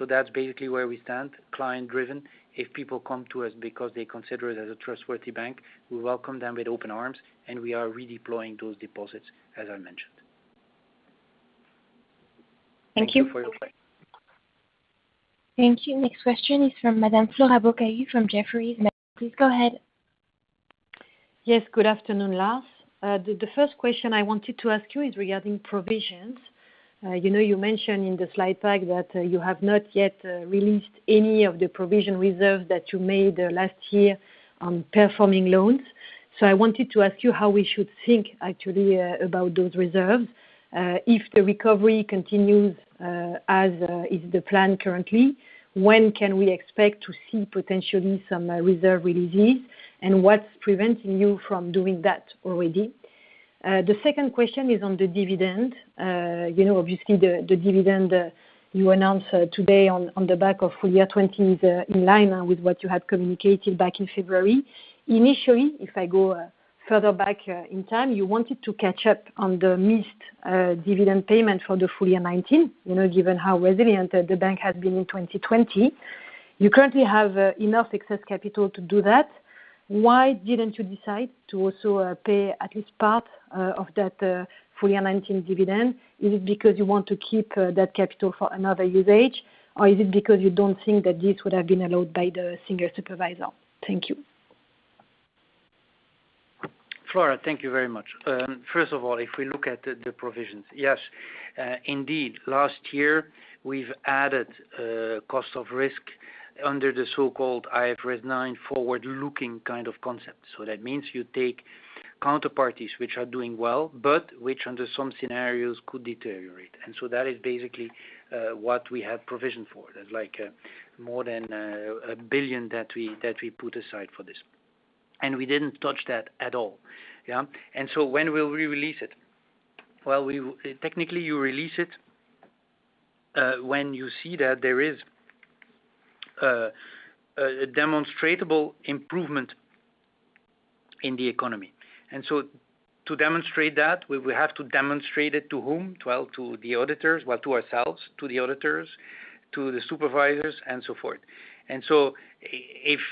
That's basically where we stand, client-driven. If people come to us because they consider us as a trustworthy bank, we welcome them with open arms, and we are redeploying those deposits, as I mentioned. Thank you for your time. Thank you. Next question is from Madame Flora Bocahut from Jefferies. Ma'am, please go ahead. Yes, good afternoon, Lars. The first question I wanted to ask you is regarding provisions. You mentioned in the slide pack that you have not yet released any of the provision reserves that you made last year on performing loans. I wanted to ask you how we should think actually about those reserves. If the recovery continues, as is the plan currently, when can we expect to see potentially some reserve releases, and what's preventing you from doing that already? The second question is on the dividend. Obviously, the dividend you announced today on the back of full year 2020 is in line with what you had communicated back in February. Initially, if I go further back in time, you wanted to catch up on the missed dividend payment for the full year 2019, given how resilient the bank has been in 2020. You currently have enough excess capital to do that. Why didn't you decide to also pay at least part of that full year 2019 dividend? Is it because you want to keep that capital for another usage, or is it because you don't think that this would have been allowed by the single supervisor? Thank you. Flora, thank you very much. First of all, if we look at the provisions, yes, indeed. Last year, we've added cost of risk under the so-called IFRS 9 forward-looking kind of concept. That means you take counterparties which are doing well, but which under some scenarios could deteriorate. That is basically what we have provisioned for. There's more than 1 billion that we put aside for this. We didn't touch that at all. Yeah. When will we release it? Well, technically, you release it when you see that there is a demonstrable improvement in the economy. To demonstrate that, we have to demonstrate it to whom? Well, to the auditors, well, to ourselves, to the auditors, to the supervisors, and so forth. If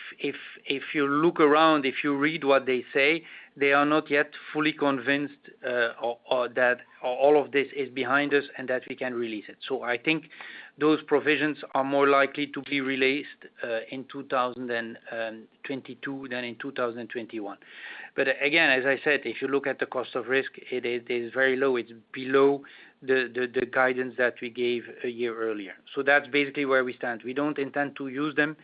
you look around, if you read what they say, they are not yet fully convinced that all of this is behind us and that we can release it. I think those provisions are more likely to be released in 2022 than in 2021. Again, as I said, if you look at the cost of risk, it is very low. It's below the guidance that we gave a year earlier. That's basically where we stand. We don't intend to use them.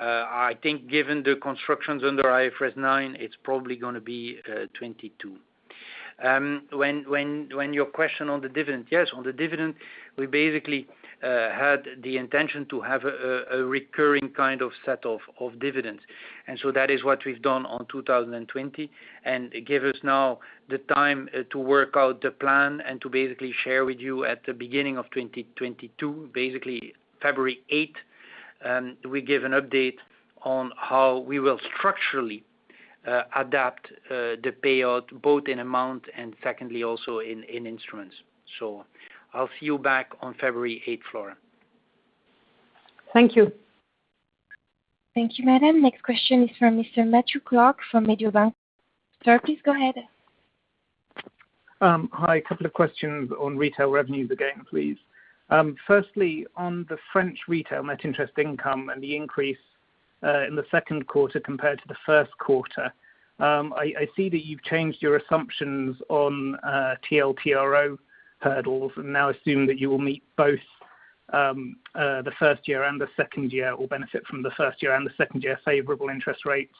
I think, given the constructions under IFRS 9, it's probably going to be 2022. Your question on the dividend. Yes, on the dividend, we basically had the intention to have a recurring set of dividends. That is what we've done on 2020. It gives us now the time to work out the plan and to basically share with you at the beginning of 2022, basically February 8th, we give an update on how we will structurally adapt the payout, both in amount and secondly, also in instruments. I'll see you back on February 8th, Flora. Thank you. Thank you, madam. Next question is from Mr. Matthew Clark from Mediobanca. Sir, please go ahead. Hi, a couple of questions on retail revenues again, please. On the French Retail net interest income and the increase in the second quarter compared to the first quarter. I see that you've changed your assumptions on TLTRO hurdles and now assume that you will meet both the first year and the second year, or benefit from the first year and the second year favorable interest rates.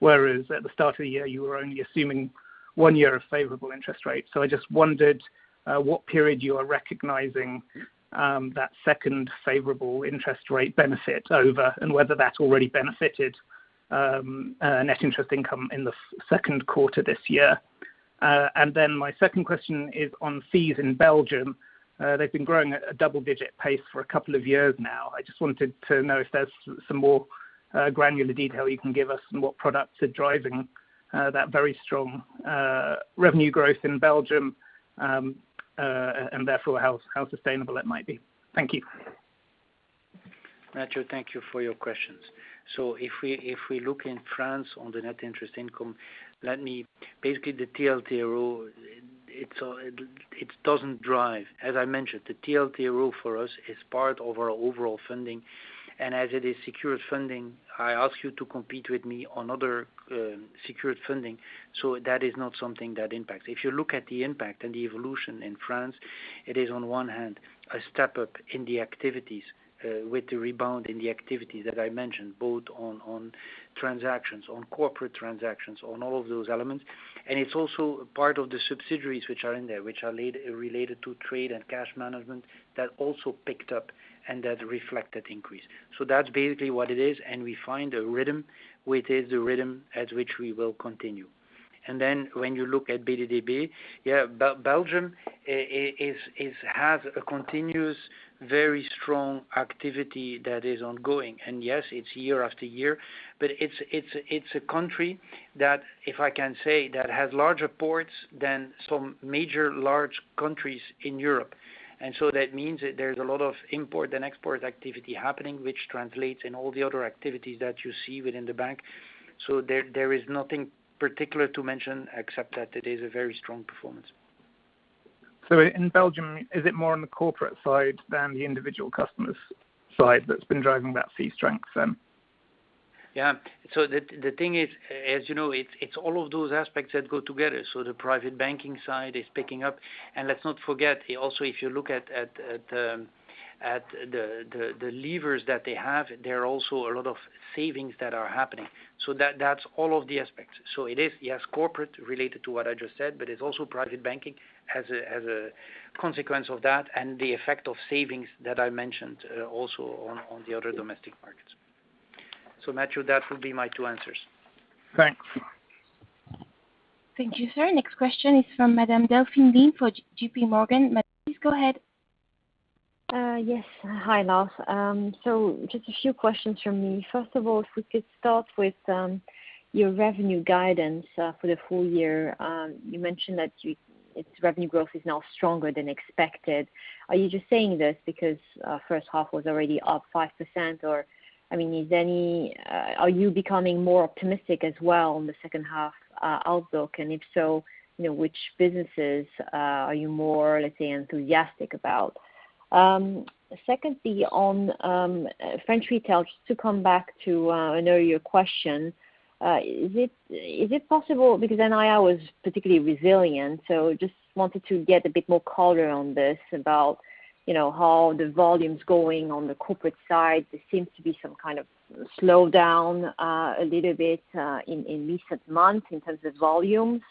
Whereas at the start of the year, you were only assuming one year of favorable interest rates. I just wondered what period you are recognizing that second favorable interest rate benefit over, and whether that already benefited net interest income in the second quarter this year. My second question is on fees in Belgium. They've been growing at a double-digit pace for a couple of years now. I just wanted to know if there's some more granular detail you can give us on what products are driving that very strong revenue growth in Belgium, and therefore how sustainable it might be. Thank you. Matthew, thank you for your questions. If we look in France on the net interest income, basically the TLTRO, it doesn't drive. As I mentioned, the TLTRO for us is part of our overall funding. As it is secured funding, I ask you to compete with me on other secured funding. That is not something that impacts. If you look at the impact and the evolution in France, it is on one hand, a step up in the activities with the rebound in the activity that I mentioned, both on transactions, on corporate transactions, on all of those elements. It's also part of the subsidiaries which are in there, which are related to trade and cash management that also picked up and that reflect that increase. That's basically what it is, and we find a rhythm, which is the rhythm at which we will continue. When you look at BDDB, Belgium has a continuous, very strong activity that is ongoing. Yes, it's year after year, but it's a country that, if I can say, that has larger ports than some major large countries in Europe. That means that there's a lot of import and export activity happening, which translates in all the other activities that you see within the bank. There is nothing particular to mention except that it is a very strong performance. In Belgium, is it more on the corporate side than the individual customers side that's been driving that fee strength, then? The thing is, as you know, it's all of those aspects that go together. The private banking side is picking up, and let's not forget, also, if you look at the levers that they have, there are also a lot of savings that are happening. That's all of the aspects. It is, yes, corporate related to what I just said, but it's also private banking as a consequence of that and the effect of savings that I mentioned also on the other Domestic Markets. Matthew, that would be my two answers. Thanks. Thank you, sir. Next question is from Madame Delphine Lee for JPMorgan. Madame, please go ahead. Yes. Hi, Lars. Just a few questions from me. First of all, if we could start with your revenue guidance for the full year. You mentioned that its revenue growth is now stronger than expected. Are you just saying this because first half was already up 5%? Are you becoming more optimistic as well on the second half outlook? If so, which businesses are you more, let's say, enthusiastic about? Secondly, on French Retail Banking, just to come back to earlier question. Is it possible, because NII was particularly resilient, just wanted to get a bit more color on this about how the volumes going on the corporate side. There seems to be some kind of slowdown a little bit in recent months in terms of volumes.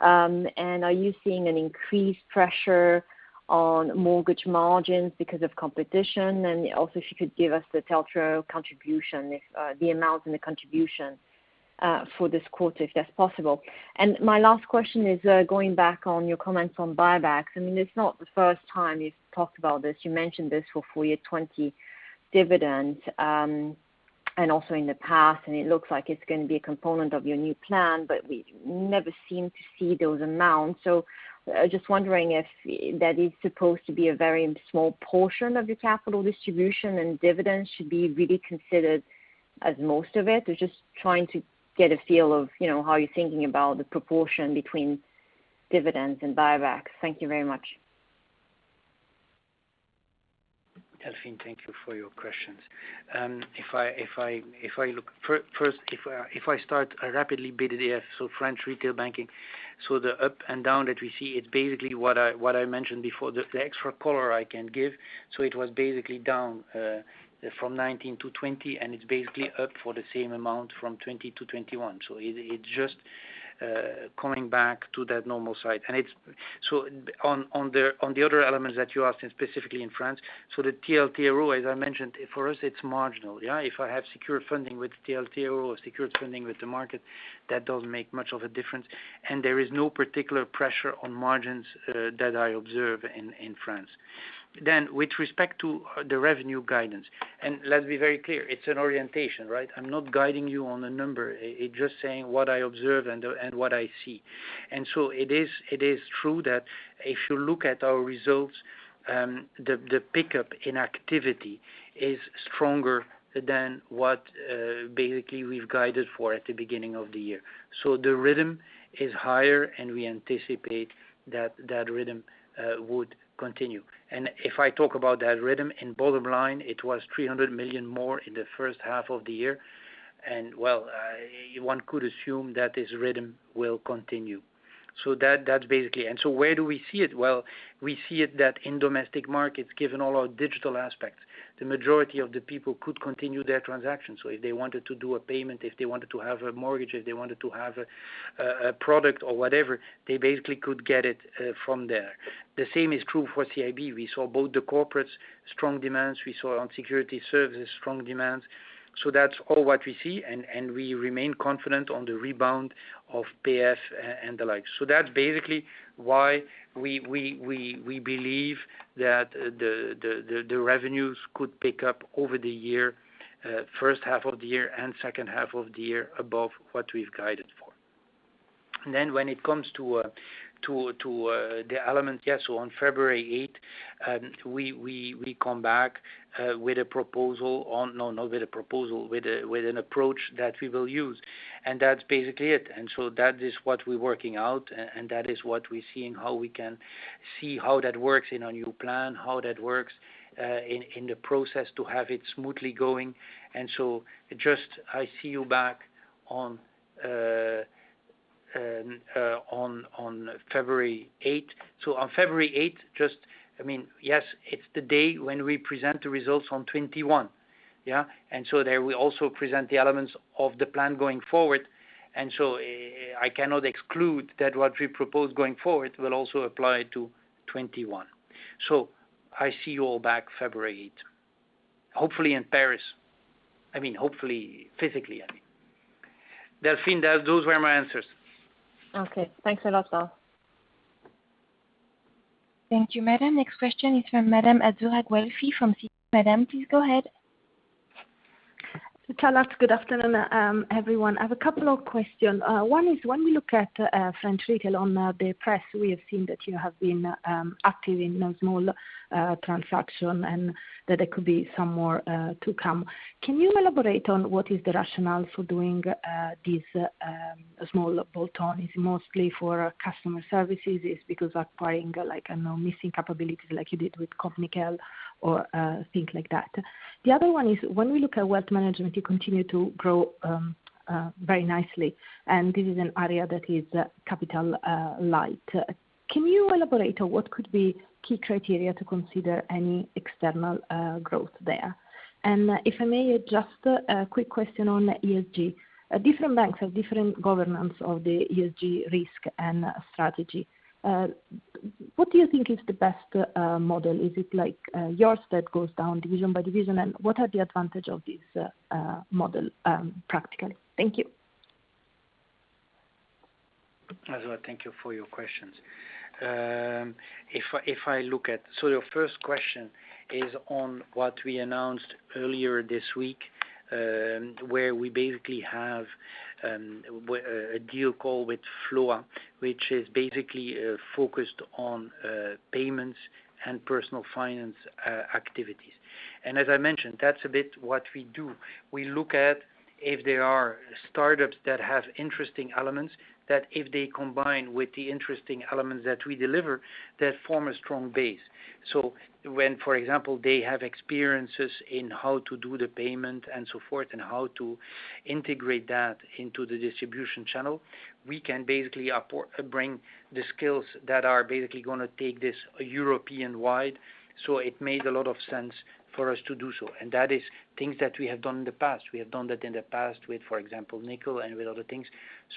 Are you seeing an increased pressure on mortgage margins because of competition? Also, if you could give us the TLTRO contribution, the amounts and the contribution for this quarter, if that's possible. My last question is going back on your comments on buybacks. It's not the first time you've talked about this. You mentioned this for full year 2020 dividend, and also in the past, and it looks like it's going to be a component of your new plan, but we never seem to see those amounts. Just wondering if that is supposed to be a very small portion of your capital distribution, and dividends should be really considered as most of it, or just trying to get a feel of how you're thinking about the proportion between dividends and buybacks? Thank you very much. Delphine, thank you for your questions. First, if I start rapidly BDDF, so French Retail Banking. The up and down that we see. It's basically what I mentioned before, the extra color I can give. It was basically down from 2019 to 2020, and it's basically up for the same amount from 2020 to 2021. It's just coming back to that normal site. On the other elements that you asked in specifically in France, so the TLTRO, as I mentioned, for us, it's marginal. If I have secure funding with TLTRO or secure funding with the market, that doesn't make much of a difference. There is no particular pressure on margins that I observe in France. With respect to the revenue guidance, and let's be very clear, it's an orientation, right? I'm not guiding you on a number. It's just saying what I observe and what I see. It is true that if you look at our results, the pickup in activity is stronger than what basically we've guided for at the beginning of the year. The rhythm is higher, and we anticipate that rhythm would continue. If I talk about that rhythm in bottom line, it was 300 million more in the first half of the year, and, well, one could assume that this rhythm will continue. Where do we see it? Well, we see it that in Domestic Markets, given all our digital aspects, the majority of the people could continue their transactions. If they wanted to do a payment, if they wanted to have a mortgage, if they wanted to have a product or whatever, they basically could get it from there. The same is true for CIB. We saw both the corporates' strong demands, we saw on Securities Services strong demands. That's all what we see, and we remain confident on the rebound of PF and the like. That's basically why we believe that the revenues could pick up over the year, first half of the year and second half of the year above what we've guided for. When it comes to the element, yes, on February 8th, we come back with a proposal on, not with a proposal, with an approach that we will use. That's basically it. That is what we're working out, and that is what we're seeing, how we can see how that works in our new plan, how that works in the process to have it smoothly going. Just I see you back on February 8th. On February 8th, yes, it's the day when we present the results on 2021. Yeah. There, we also present the elements of the plan going forward. I cannot exclude that what we propose going forward will also apply to 2021. I see you all back February 8th, hopefully in Paris. Hopefully, physically, I mean. Delphine, those were my answers. Okay. Thanks a lot, Lars. Thank you, madame. Next question is from Madame Azzurra Guelfi from Citi. Madame, please go ahead. Good afternoon, everyone. I have a couple of questions. One is when we look at French Retail on the press, we have seen that you have been active in a small transaction and that there could be some more to come. Can you elaborate on what is the rationale for doing these small bolt-ons? Is it mostly for customer services? Is it because of acquiring missing capabilities like you did with Compte-Nickel or things like that? The other one is when we look at wealth management, you continue to grow very nicely, and this is an area that is capital-light. Can you elaborate on what could be key criteria to consider any external growth there? If I may, just a quick question on ESG. Different banks have different governance of the ESG risk and strategy. What do you think is the best model? Is it like yours that goes down division by division? What are the advantage of this model practically? Thank you. Azzurra, thank you for your questions. Your first question is on what we announced earlier this week, where we basically have a deal call with FLOA, which is basically focused on payments and personal finance activities. As I mentioned, that's a bit what we do. We look at if there are startups that have interesting elements, that if they combine with the interesting elements that we deliver, that form a strong base. When, for example, they have experiences in how to do the payment and so forth, and how to integrate that into the distribution channel, we can basically bring the skills that are basically going to take this European-wide. It made a lot of sense for us to do so, and that is things that we have done in the past. We have done that in the past with, for example, Nickel and with other things.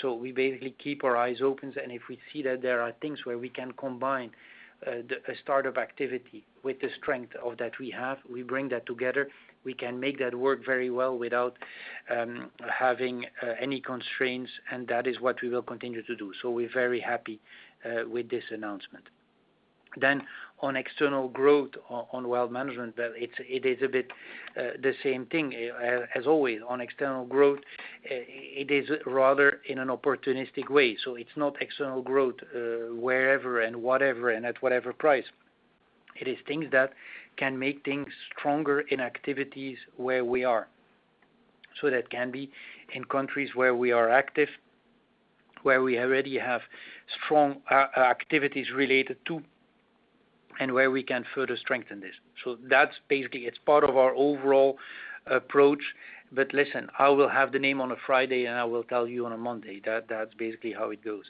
We basically keep our eyes open, and if we see that there are things where we can combine a startup activity with the strength that we have, we bring that together. We can make that work very well without having any constraints, and that is what we will continue to do. We're very happy with this announcement. On external growth on wealth management, it is a bit the same thing as always on external growth. It is rather in an opportunistic way. It's not external growth wherever and whatever and at whatever price. It is things that can make things stronger in activities where we are. That can be in countries where we are active, where we already have strong activities related to, and where we can further strengthen this. That's basically, it's part of our overall approach. Listen, I will have the name on a Friday, and I will tell you on a Monday. That's basically how it goes.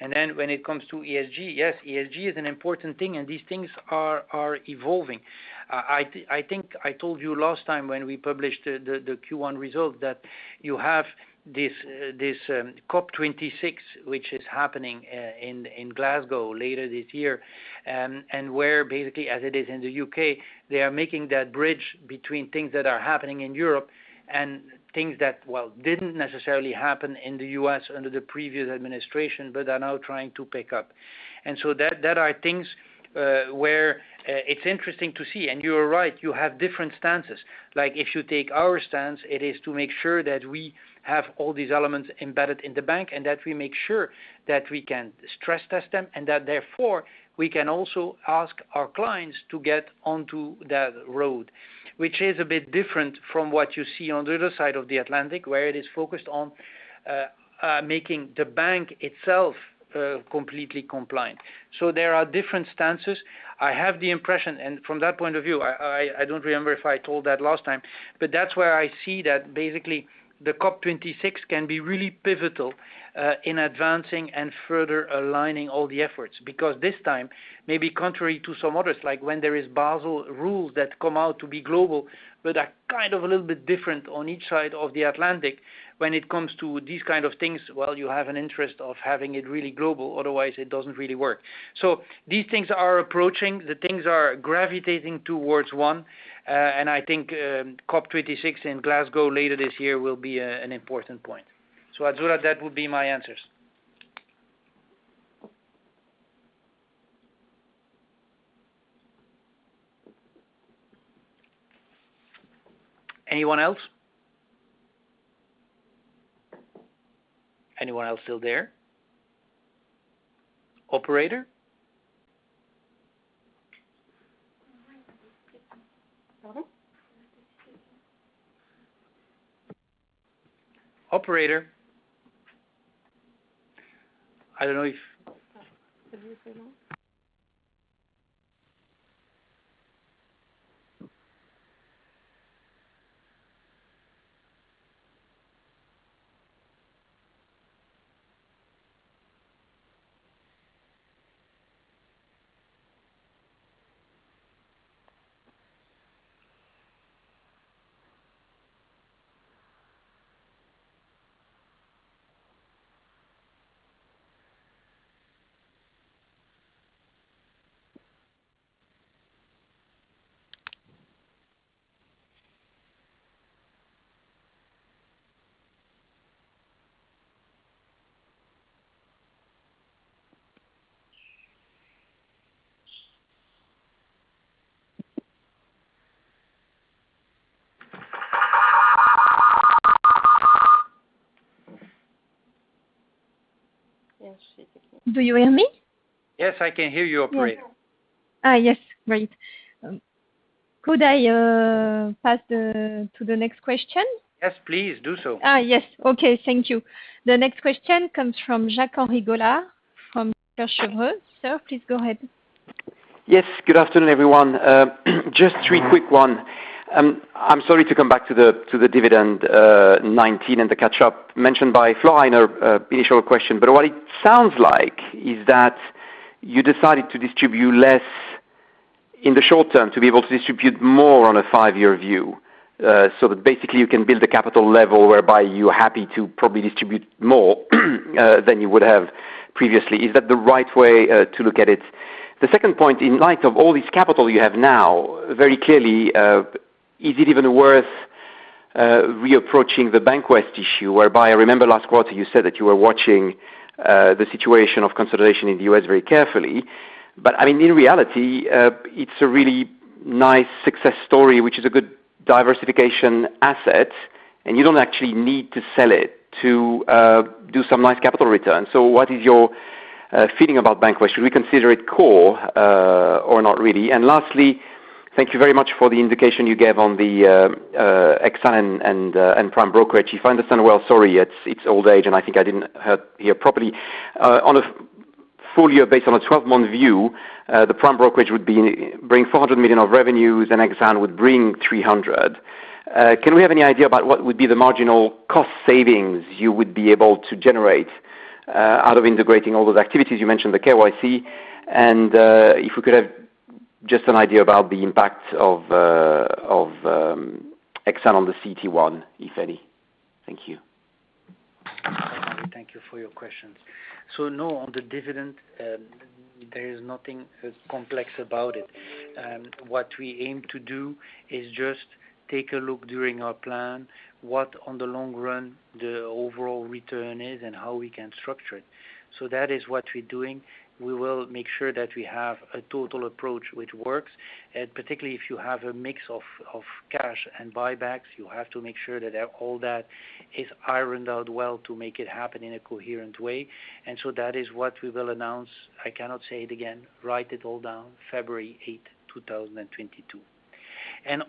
When it comes to ESG, yes, ESG is an important thing, and these things are evolving. I think I told you last time when we published the Q1 results that you have this COP26, which is happening in Glasgow later this year, and where basically as it is in the U.K., they are making that bridge between things that are happening in Europe and things that, well, didn't necessarily happen in the U.S. under the previous administration, but are now trying to pick up. There are things where it's interesting to see, and you are right, you have different stances. If you take our stance, it is to make sure that we have all these elements embedded in the bank and that we make sure that we can stress test them, and that therefore we can also ask our clients to get onto that road, which is a bit different from what you see on the other side of the Atlantic, where it is focused on making the bank itself completely compliant. There are different stances. I have the impression, and from that point of view, I don't remember if I told that last time, but that's where I see that basically the COP26 can be really pivotal in advancing and further aligning all the efforts. Because this time, maybe contrary to some others, like when there is Basel rules that come out to be global but are kind of a little bit different on each side of the Atlantic when it comes to these kind of things. You have an interest of having it really global, otherwise it doesn't really work. These things are approaching, the things are gravitating towards one, and I think COP26 in Glasgow later this year will be an important point. Azzurra, that would be my answers. Anyone else? Anyone else still there? Operator? Operator? I don't know if Do you hear me? Yes, I can hear you, operator. Yes. Great. Could I pass to the next question? Yes, please. Do so. Yes. Okay. Thank you. The next question comes from Jacques-Henri Gaulard from Kepler Cheuvreux. Sir, please go ahead. Yes. Good afternoon, everyone. Just three quick one. I'm sorry to come back to the dividend 2019 and the catch-up mentioned by Flora in her initial question, but what it sounds like is that you decided to distribute less in the short term to be able to distribute more on a five-year view, so that basically you can build a capital level whereby you're happy to probably distribute more than you would have previously. Is that the right way to look at it? The second point, in light of all this capital you have now, very clearly, is it even worth re-approaching the Bank of the West issue, whereby I remember last quarter you said that you were watching the situation of consolidation in the U.S. very carefully, but in reality, it's a really nice success story, which is a good diversification asset, and you don't actually need to sell it to do some nice capital returns. What is your feeling about Bank of the West? Should we consider it core, or not really? Lastly, thank you very much for the indication you gave on the Exane and Prime Brokerage. If I understand well, sorry, it's old age, and I think I didn't hear properly. On a full year based on a 12-month view, the Prime Brokerage would bring 400 million of revenues, and Exane would bring 300. Can we have any idea about what would be the marginal cost savings you would be able to generate out of integrating all those activities? You mentioned the KYC. If we could have just an idea about the impact of Exane on the CET1, if any. Thank you. Thank you for your questions. No, on the dividend, there is nothing complex about it. What we aim to do is just take a look during our plan, what on the long run the overall return is and how we can structure it. That is what we're doing. We will make sure that we have a total approach which works. Particularly if you have a mix of cash and buybacks, you have to make sure that all that is ironed out well to make it happen in a coherent way. That is what we will announce. I cannot say it again. Write it all down, February 8, 2022.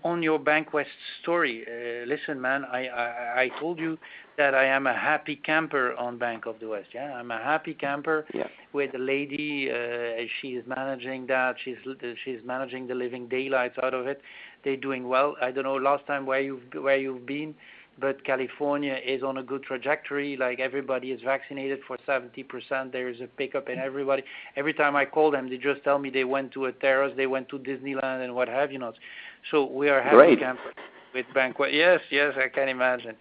On your Bankwest story, listen, man, I told you that I am a happy camper on Bank of the West. Yeah, I'm a happy camper with the lady; she's managing that. She's managing the living daylights out of it. They're doing well. I don't know last time where you've been, but California is on a good trajectory. Everybody is vaccinated for 70%. There is a pickup in everybody. Every time I call them, they just tell me they went to a terrace, they went to Disneyland, and what have you not. We are happy. Great Campers with Bank of the West. Yes, I can imagine.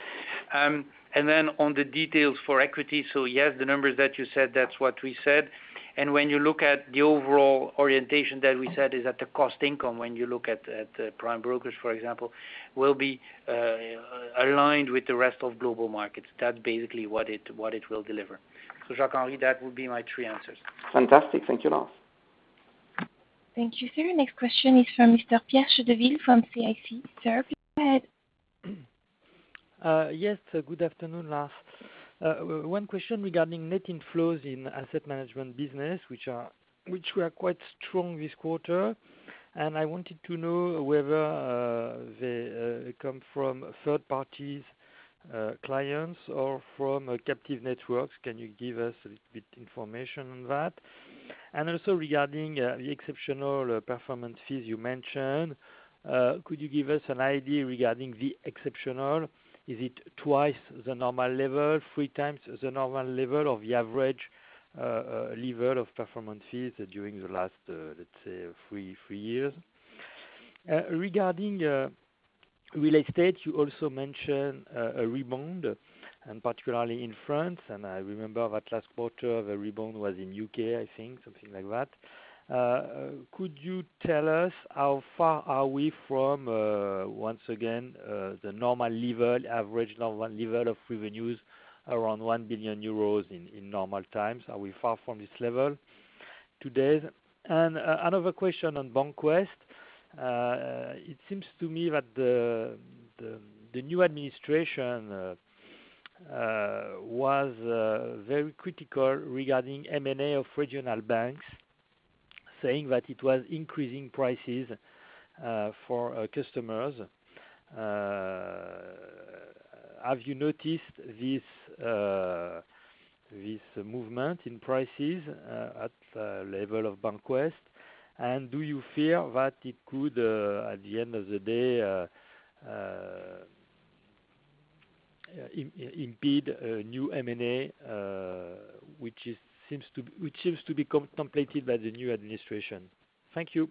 On the details for equity, yes, the numbers that you said, that's what we said. When you look at the overall orientation that we said is at the cost income, when you look at prime brokers, for example, will be aligned with the rest of global markets. That's basically what it will deliver. Jacques-Henri, that would be my three answers. Fantastic. Thank you, Lars. Thank you, sir. Next question is from Mr. Pierre Chédeville from CIC. Sir, please go ahead. Yes. Good afternoon, Lars. One question regarding net inflows in asset management business, which were quite strong this quarter. I wanted to know whether they come from third parties, clients, or from captive networks. Can you give us a little bit information on that? Also, regarding the exceptional performance fees you mentioned, could you give us an idea regarding the exceptional? Is it twice the normal level, 3 times the normal level of the average level of performance fees during the last, let's say, three years? Regarding real estate, you also mentioned a rebound, and particularly in France. I remember that last quarter, the rebound was in U.K., I think, something like that. Could you tell us how far are we from, once again, the normal level, average normal level of revenues around 1 billion euros in normal times? Are we far from this level today? Another question on Bank of the West. It seems to me that the new administration was very critical regarding M&A of regional banks, saying that it was increasing prices for customers. Have you noticed this movement in prices at the level of Bank of the West? Do you fear that it could, at the end of the day, impede a new M&A, which seems to be contemplated by the new administration. Thank you.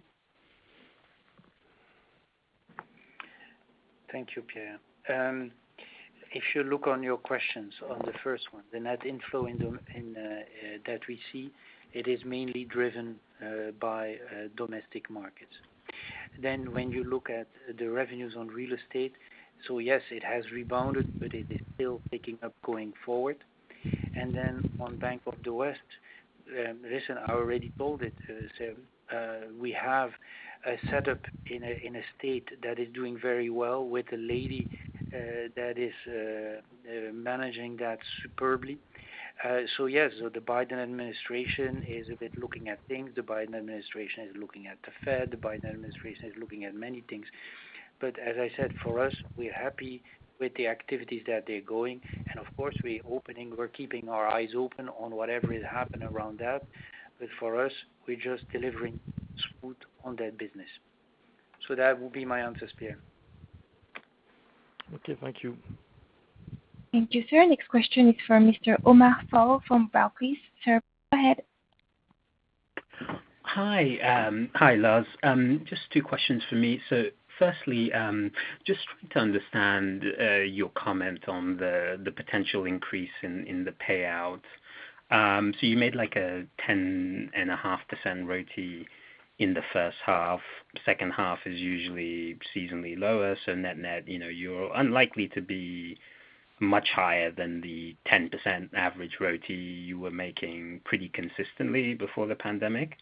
Thank you, Pierre. If you look on your questions on the first one, the net inflow that we see, it is mainly driven by Domestic Markets. When you look at the revenues on real estate, yes, it has rebounded, but it is still picking up going forward. On Bank of the West, listen, I already told it, we have a setup in a state that is doing very well with a lady that is managing that superbly. Yes, the Biden administration is a bit looking at things. The Biden administration is looking at the Fed; the Biden administration is looking at many things. As I said, for us, we are happy with the activities that they're going. Of course, we're keeping our eyes open on whatever is happening around that. For us, we are just delivering smooth on that business. That will be my answers, Pierre. Okay. Thank you. Thank you, sir. Next question is from Mr. Omar Fall from Barclays. Sir, go ahead. Hi, Lars. Firstly, just trying to understand your comment on the potential increase in the payout. You made like a 10.5% ROTE in the first half. Second half is usually seasonally lower, net-net, you're unlikely to be much higher than the 10% average ROTE you were making pretty consistently before the pandemic.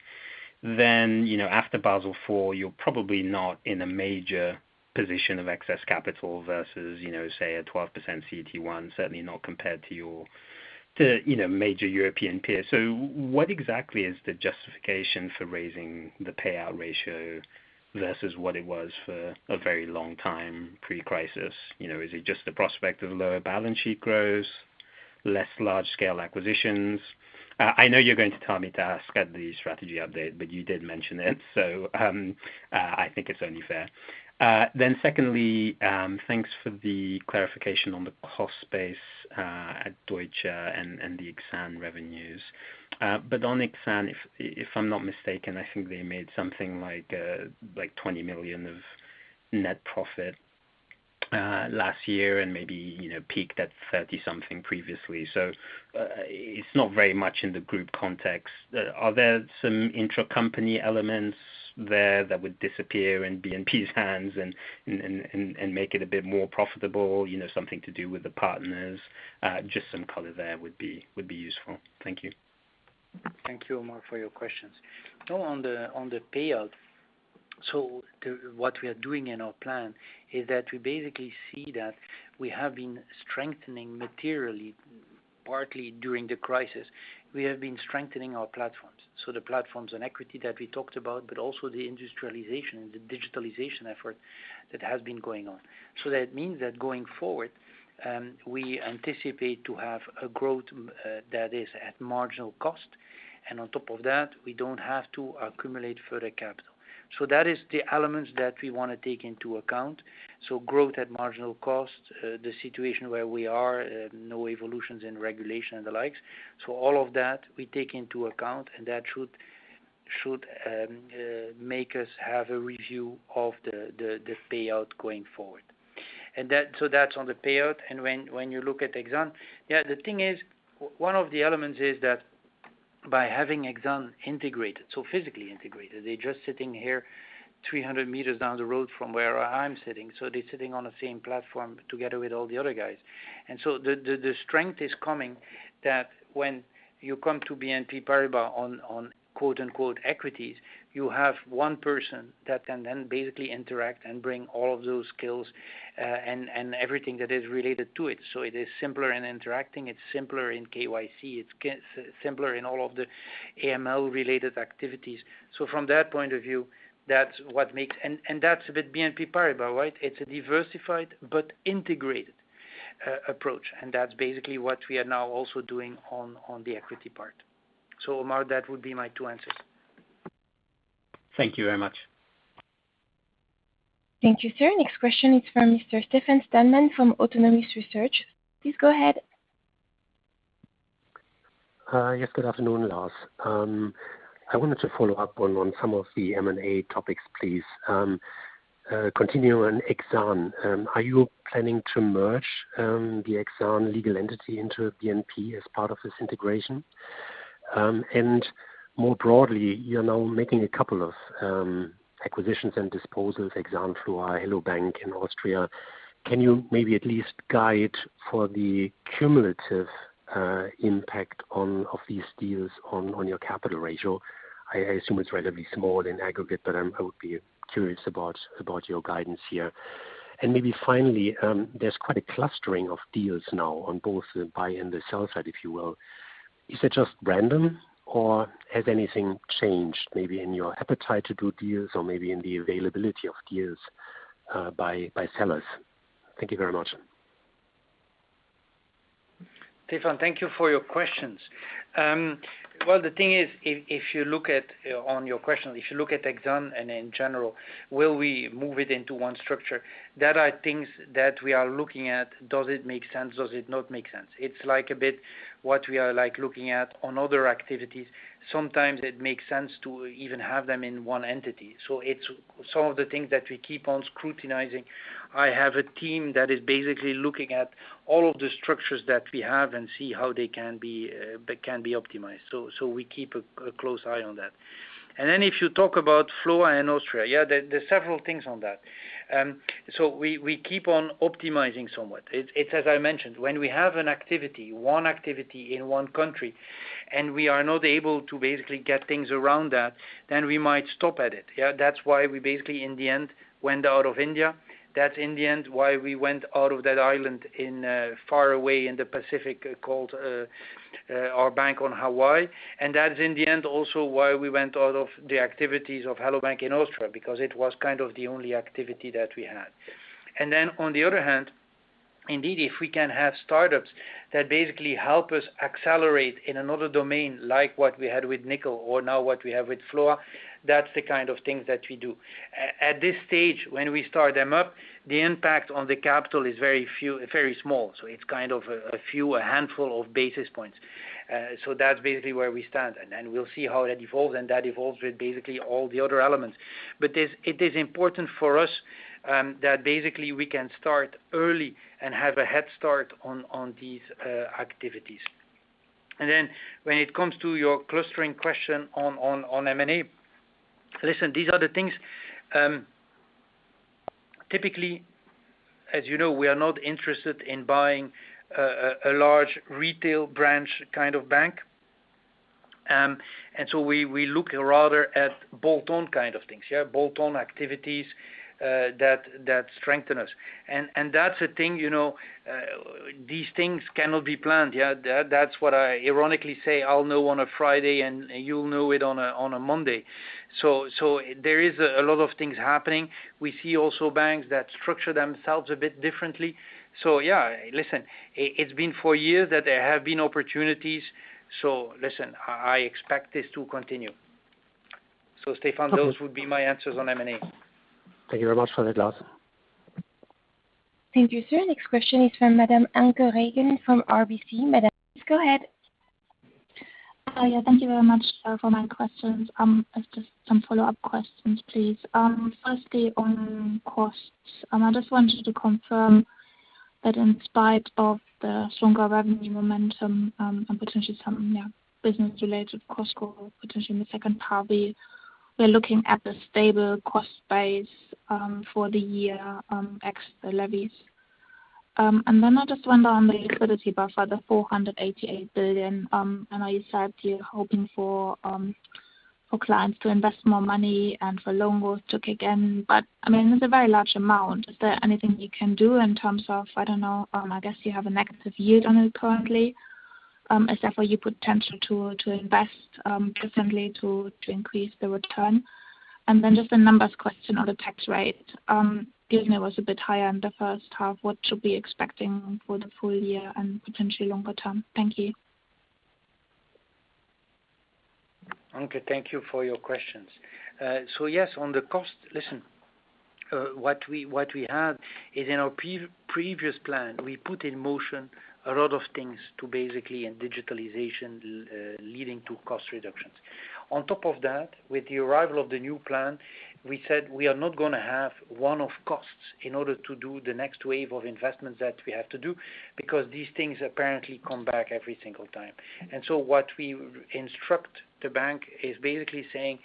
After Basel IV, you're probably not in a major position of excess capital versus say, a 12% CET1, certainly not compared to major European peers. What exactly is the justification for raising the payout ratio versus what it was for a very long time pre-crisis? Is it just the prospect of lower balance sheet growth, less large-scale acquisitions? I know you're going to tell me to ask at the strategy update, but you did mention it, so I think it's only fair. Secondly, thanks for the clarification on the cost base at Deutsche and the Exane revenues. On Exane, if I'm not mistaken, I think they made something like 20 million of net profit last year and maybe peaked at 30 something previously. It's not very much in the group context. Are there some intracompany elements there that would disappear in BNP's hands and make it a bit more profitable, something to do with the partners? Just some color there would be useful. Thank you. Thank you, Omar, for your questions. On the payout, so what we are doing in our plan is that we basically see that we have been strengthening materially, partly during the crisis. We have been strengthening our platforms. The platforms and equity that we talked about, but also the industrialization and the digitalization effort that has been going on. That means that going forward, we anticipate to have a growth that is at marginal cost. On top of that, we don't have to accumulate further capital. That is the elements that we want to take into account. Growth at marginal cost, the situation where we are, no evolutions in regulation and the likes. All of that we take into account, and that should make us have a review of the payout going forward. That's on the payout, and when you look at Exane, yeah, the thing is, one of the elements is that by having Exane integrated, so physically integrated, they're just sitting here 300 meters down the road from where I'm sitting. They're sitting on the same platform together with all the other guys. The strength is coming that when you come to BNP Paribas on equities, you have one person that can then basically interact and bring all of those skills, and everything that is related to it. It is simpler in interacting, it's simpler in KYC. It's simpler in all of the AML-related activities. From that point of view, that's a bit BNP Paribas, right? It's a diversified but integrated approach. That's basically what we are now also doing on the equity part. Omar, that would be my two answers. Thank you very much. Thank you, sir. Next question is from Mr. Stefan Stalmann from Autonomous Research. Please go ahead. Yes. Good afternoon, Lars. I wanted to follow up on some of the M&A topics, please. Continuing on Exane, are you planning to merge the Exane legal entity into BNP as part of this integration? More broadly, you're now making a couple of acquisitions and disposals, Exane through Hello bank! in Austria. Can you maybe at least guide for the cumulative impact of these deals on your capital ratio? I assume it's relatively small in aggregate, but I would be curious about your guidance here. Maybe finally, there's quite a clustering of deals now on both the buy and the sell side, if you will. Is it just random or has anything changed maybe in your appetite to do deals or maybe in the availability of deals, by sellers? Thank you very much. Stefan, thank you for your questions. The thing is, on your question, if you look at Exane and in general, will we move it into one structure? That are things that we are looking at. Does it make sense? Does it not make sense? It's like a bit what we are looking at on other activities. Sometimes it makes sense to even have them in one entity. It's some of the things that we keep on scrutinizing. I have a team that is basically looking at all of the structures that we have and see how they can be optimized. We keep a close eye on that. If you talk about FLOA in Austria, yeah, there's several things on that. We keep on optimizing somewhat. It's as I mentioned, when we have an activity, one activity in one country, and we are not able to basically get things around that, then we might stop at it. That's why we basically, in the end, went out of India. That's in the end why we went out of that island in far away in the Pacific, called our bank on Hawaii. That is in the end, also why we went out of the activities of Hello bank! in Austria, because it was kind of the only activity that we had. Then on the other hand, indeed, if we can have startups that basically help us accelerate in another domain, like what we had with Nickel or now what we have with FLOA, that's the kind of things that we do. At this stage, when we start them up, the impact on the capital is very small. It's kind of a few, a handful of basis points. That's basically where we stand, and we'll see how that evolves, and that evolves with basically all the other elements. It is important for us that basically we can start early and have a head start on these activities. When it comes to your clustering question on M&A, listen, these are the things, typically, as you know, we are not interested in buying a large retail branch kind of bank. We look rather at bolt-on kind of things. Yeah, bolt-on activities that strengthen us. That's a thing; these things cannot be planned. Yeah, that's what I ironically say, I'll know on a Friday, and you'll know it on a Monday. There is a lot of things happening. We see also banks that structure themselves a bit differently. Yeah, listen, it's been four years that there have been opportunities. Listen, I expect this to continue. Stefan, those would be my answers on M&A. Thank you very much for that, Lars. Thank you, sir. Next question is from Madame Anke Reingen from RBC. Madame, please go ahead. Thank you very much for my questions. Some follow-up questions, please. Firstly, on costs, I just wanted to confirm that in spite of the stronger revenue momentum, and potentially some business-related cost growth, potentially in the second half, we're looking at the stable cost base for the year, ex the levies. I just wonder on the liquidity buffer, the 488 billion. I know you said you're hoping for clients to invest more money and for loan growth to kick in. It's a very large amount. Is there anything you can do in terms of, I don't know, I guess you have a negative yield on it currently. Is that where you put potential to invest differently to increase the return? Just a numbers question on the tax rate. Given it was a bit higher in the first half, what should we be expecting for the full year and potentially longer term? Thank you. Anke, thank you for your questions. Yes, on the cost, listen. What we have is in our previous plan, we put in motion a lot of things to basically, in digitalization, leading to cost reductions. On top of that, with the arrival of the new plan, we said we are not going to have one-off costs in order to do the next wave of investments that we have to do, because these things apparently come back every single time. What we instruct the bank is basically saying,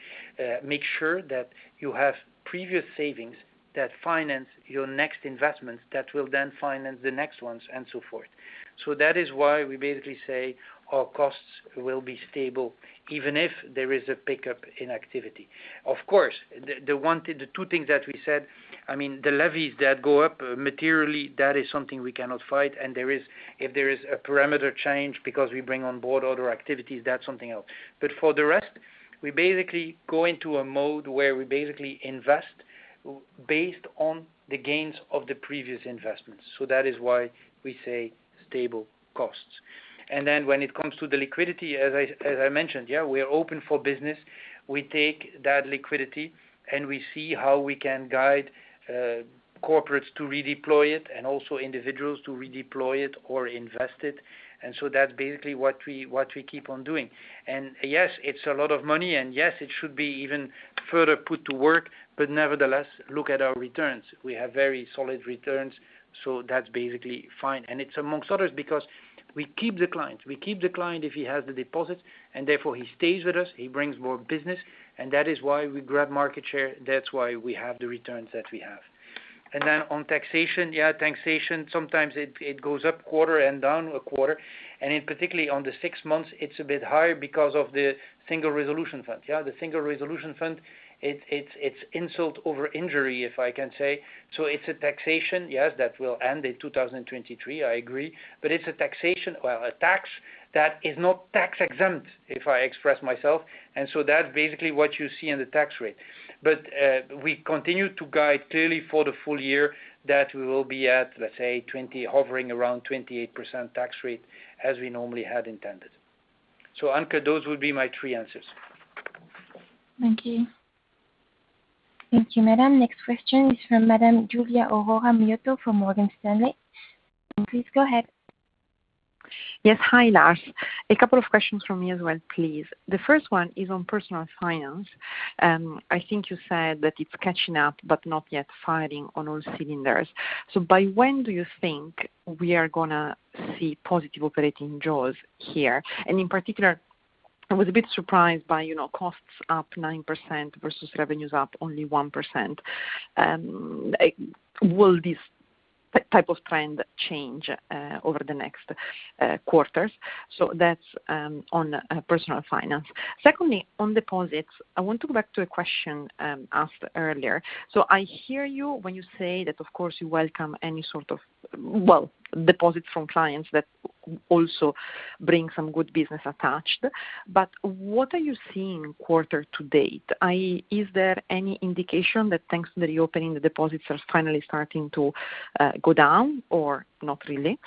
make sure that you have previous savings that finance your next investments that will then finance the next ones and so forth. That is why we basically say our costs will be stable even if there is a pickup in activity. The two things that we said, the levies that go up materially, that is something we cannot fight, and if there is a parameter change because we bring on board other activities, that's something else. For the rest, we basically go into a mode where we basically invest based on the gains of the previous investments. That is why we say stable costs. When it comes to the liquidity, as I mentioned, we are open for business. We take that liquidity, and we see how we can guide corporates to redeploy it and also individuals to redeploy it or invest it. That's basically what we keep on doing. Yes, it's a lot of money, and yes, it should be even further put to work, but nevertheless, look at our returns. We have very solid returns, that's basically fine. It's amongst others because we keep the clients. We keep the client if he has the deposits, and therefore, he stays with us; he brings more business, and that is why we grab market share. That's why we have the returns that we have. On taxation, sometimes it goes up quarter and down a quarter. In particular on the six months, it's a bit higher because of the Single Resolution Fund. The Single Resolution Fund, it's insult over injury, if I can say. It's a taxation that will end in 2023, I agree, but it's a taxation, a tax that is not tax exempt, if I express myself. That's basically what you see in the tax rate. We continue to guide clearly for the full year that we will be at, let's say 20, hovering around 28% tax rate as we normally had intended. Anke, those would be my three answers. Thank you. Thank you, madame. Next question is from Madame Giulia Aurora Miotto from Morgan Stanley. Please go ahead. Yes. Hi, Lars. A couple of questions from me as well, please. The first one is on Personal Finance. I think you said that it's catching up, but not yet firing on all cylinders. By when do you think we are going to see positive operating jaws here? In particular, I was a bit surprised by costs up 9% versus revenues up only 1%. Will this type of trend change over the next quarter? That's on Personal Finance. Secondly, on deposits, I want to go back to a question asked earlier. I hear you when you say that, of course, you welcome any sort of deposits from clients that also bring some good business attached. What are you seeing quarter to date? Is there any indication that, thanks to the reopening, the deposits are finally starting to go down or not really?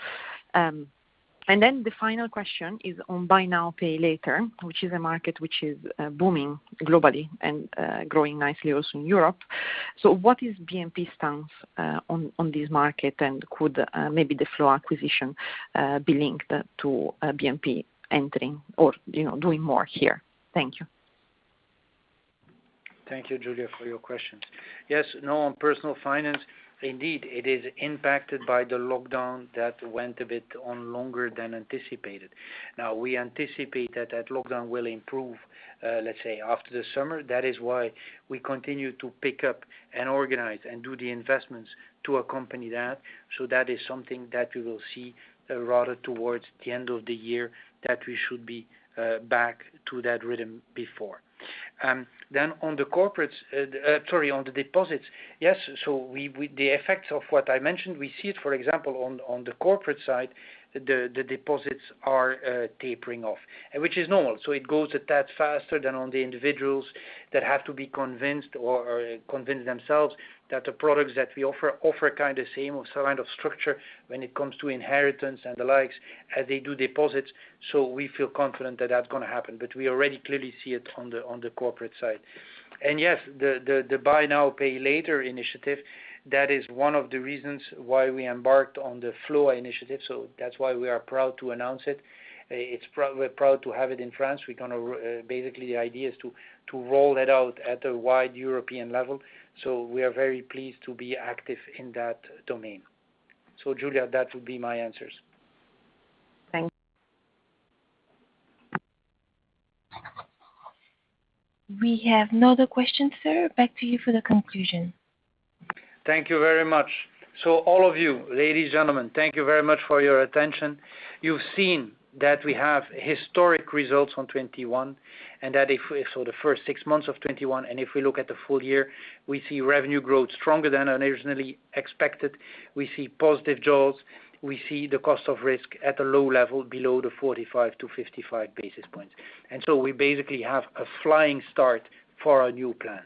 The final question is on Buy Now, Pay Later, which is a market which is booming globally and growing nicely also in Europe. What is BNP stance on this market, and could maybe the FLOA acquisition be linked to BNP entering or doing more here? Thank you. Thank you, Giulia, for your questions. Yes. No, on Personal Finance, indeed, it is impacted by the lockdown that went a bit on longer than anticipated. Now we anticipate that lockdown will improve, let's say, after the summer. That is why we continue to pick up and organize and do the investments to accompany that. That is something that we will see rather towards the end of the year, that we should be back to that rhythm before. On the deposits, yes, the effects of what I mentioned, we see it, for example, on the corporate side, the deposits are tapering off, which is normal. It goes a tad faster than on the individuals that have to be convinced or convince themselves that the products that we offer kind of same kind of structure when it comes to inheritance and the likes as they do deposits. We feel confident that that's going to happen, but we already clearly see it on the corporate side. Yes, the Buy Now, Pay Later initiative, that is one of the reasons why we embarked on the FLOA initiative. That's why we are proud to announce it. We're proud to have it in France. Basically, the idea is to roll that out at a wide European level. We are very pleased to be active in that domain. Giulia, that would be my answers. Thanks. We have no other questions, sir. Back to you for the conclusion. Thank you very much. All of you, ladies, gentlemen, thank you very much for your attention. You've seen that we have historic results on 2021 and that if for the first six months of 2021 and if we look at the full year, we see revenue growth stronger than originally expected. We see positive jaws. We see the cost of risk at a low level below the 45-55 basis points. We basically have a flying start for our new plan.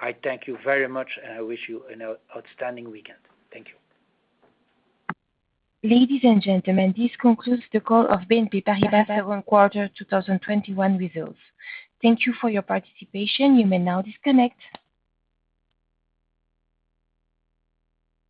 I thank you very much, and I wish you an outstanding weekend. Thank you. Ladies and gentlemen, this concludes the call of BNP Paribas second quarter 2021 results. Thank you for your participation. You may now disconnect.